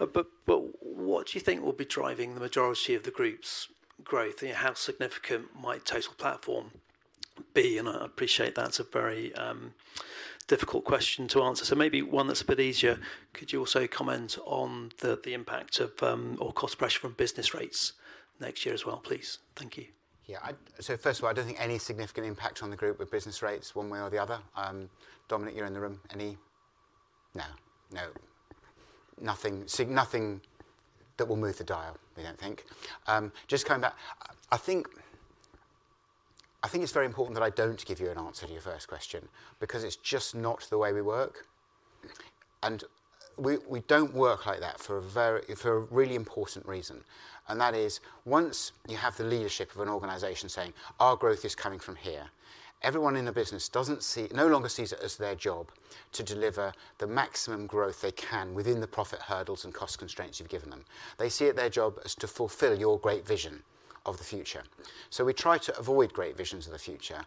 What do you think will be driving the majority of the group's growth? How significant might Total Platform be? I appreciate that's a very difficult question to answer, so maybe one that's a bit easier, could you also comment on the impact of cost pressure from business rates next year as well, please? Thank you. Yeah, so first of all, I don't think any significant impact on the group with business rates one way or the other. Dominic, you're in the room. Any? No. No, nothing that will move the dial, we don't think. Just coming back, I think it's very important that I don't give you an answer to your first question because it's just not the way we work, and we don't work like that for a really important reason. And that is, once you have the leadership of an organization saying, "Our growth is coming from here," everyone in the business no longer sees it as their job to deliver the maximum growth they can within the profit hurdles and cost constraints you've given them. They see it their job as to fulfill your great vision of the future. So we try to avoid great visions of the future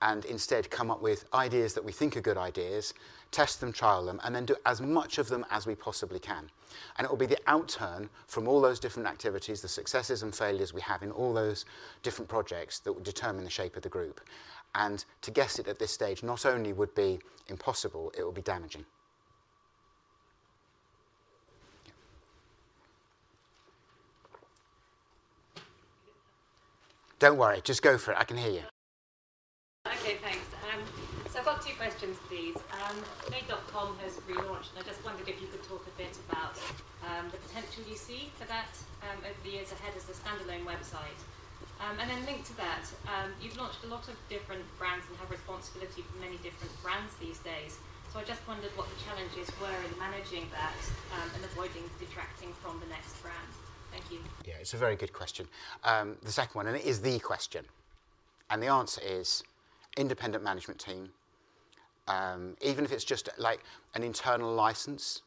and instead come up with ideas that we think are good ideas, test them, trial them, and then do as much of them as we possibly can. And it will be the outturn from all those different activities, the successes and failures we have in all those different projects, that will determine the shape of the group. And to guess it at this stage, not only would be impossible, it will be damaging. Yeah. Don't worry, just go for it. I can hear you. Okay, thanks. So I've got two questions, please. Made.com has relaunched, and I just wondered if you could talk a bit about the potential you see for that over the years ahead as a standalone website. And then linked to that, you've launched a lot of different brands and have responsibility for many different brands these days. So I just wondered what the challenges were in managing that and avoiding detracting from the Next brand. Thank you. Yeah, it's a very good question. The second one, and it is the question, and the answer is: independent management team. Even if it's just like an internal license,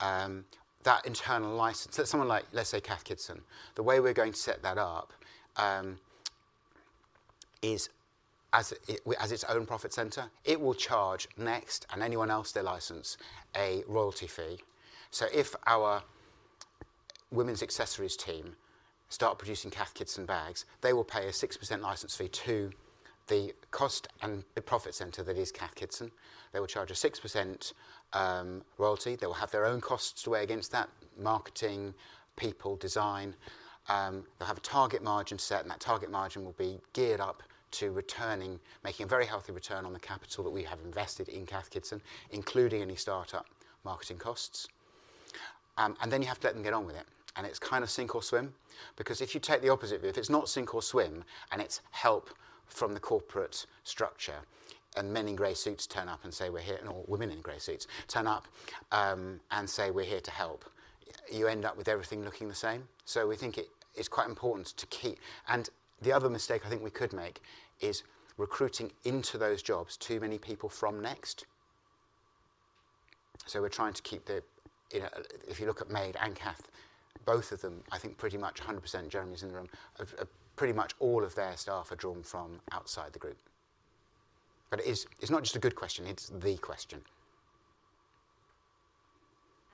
that internal license, so someone like, let's say, Cath Kidston, the way we're going to set that up is as it, as its own profit center, it will charge Next and anyone else they license a royalty fee. So if our women's accessories team start producing Cath Kidston bags, they will pay a 6% license fee to the cost and the profit center that is Cath Kidston. They will charge a 6% royalty. They will have their own costs to weigh against that, marketing, people, design. They'll have a target margin set, and that target margin will be geared up to returning, making a very healthy return on the capital that we have invested in Cath Kidston, including any startup marketing costs. You have to let them get on with it. It's kind of sink or swim, because if you take the opposite view, if it's not sink or swim, and it's help from the corporate structure, and men in gray suits turn up and say, "We're here," and all women in gray suits turn up, and say, "We're here to help," you end up with everything looking the same. We think it's quite important to keep-- The other mistake I think we could make is recruiting into those jobs too many people from Next. We're trying to keep the, you know... If you look at Made and Cath, both of them, I think pretty much 100% Germans in the room of pretty much all of their staff are drawn from outside the group. But it is. It's not just a good question, it's the question.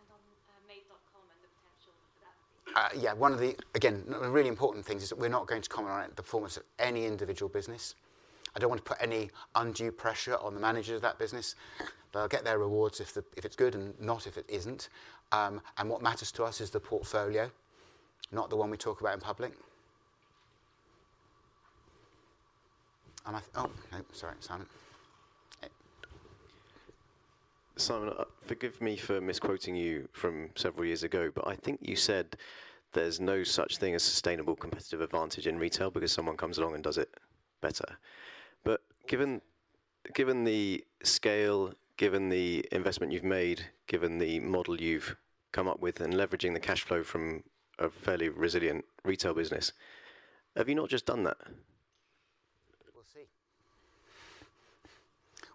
And on, Made.com and the potential for that? Yeah, one of the, again, the really important things is that we're not going to comment on the performance of any individual business. I don't want to put any undue pressure on the managers of that business, but they'll get their rewards if it's good and not if it isn't. And what matters to us is the portfolio, not the one we talk about in public. Oh, sorry, Simon. Simon, forgive me for misquoting you from several years ago, but I think you said there's no such thing as sustainable competitive advantage in retail because someone comes along and does it better. But given, given the scale, given the investment you've made, given the model you've come up with, and leveraging the cash flow from a fairly resilient retail business, have you not just done that? We'll see.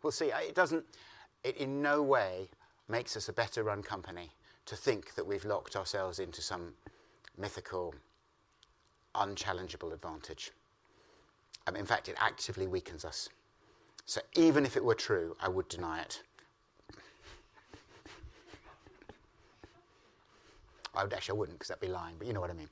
We'll see. It in no way makes us a better-run company to think that we've locked ourselves into some mythical, unchallengeable advantage. In fact, it actively weakens us. So even if it were true, I would deny it. I actually wouldn't, 'cause that'd be lying, but you know what I mean.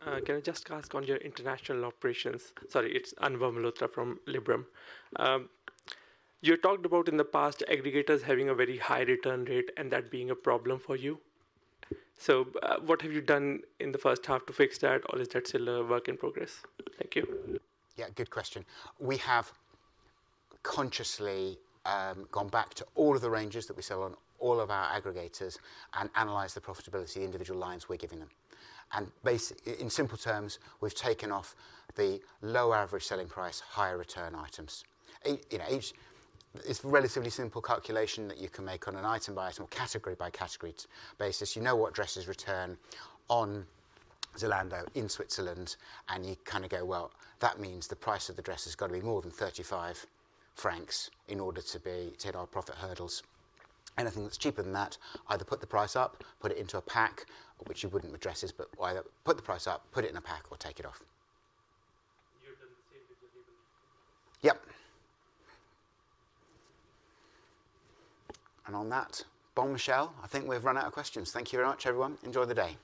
Hi. Can I just ask on your international operations? Sorry, it's Anubhav Malhotra from Liberum. You talked about in the past, aggregators having a very high return rate and that being a problem for you. So, what have you done in the first half to fix that, or is that still a work in progress? Thank you. Yeah, good question. We have consciously gone back to all of the ranges that we sell on all of our aggregators and analyzed the profitability of individual lines we're giving them. In simple terms, we've taken off the low average selling price, higher return items. You know, each... It's a relatively simple calculation that you can make on an item-by-item, category-by-category basis. You know what dresses return on Zalando in Switzerland, and you kind of go, "Well, that means the price of the dress has got to be more than 35 francs in order to be, hit our profit hurdles." Anything that's cheaper than that, either put the price up, put it into a pack, which you wouldn't with dresses, but either put the price up, put it in a pack, or take it off. You've done the same with Zalando? Yep. On that, bombshell, I think we've run out of questions. Thank you very much, everyone. Enjoy the day.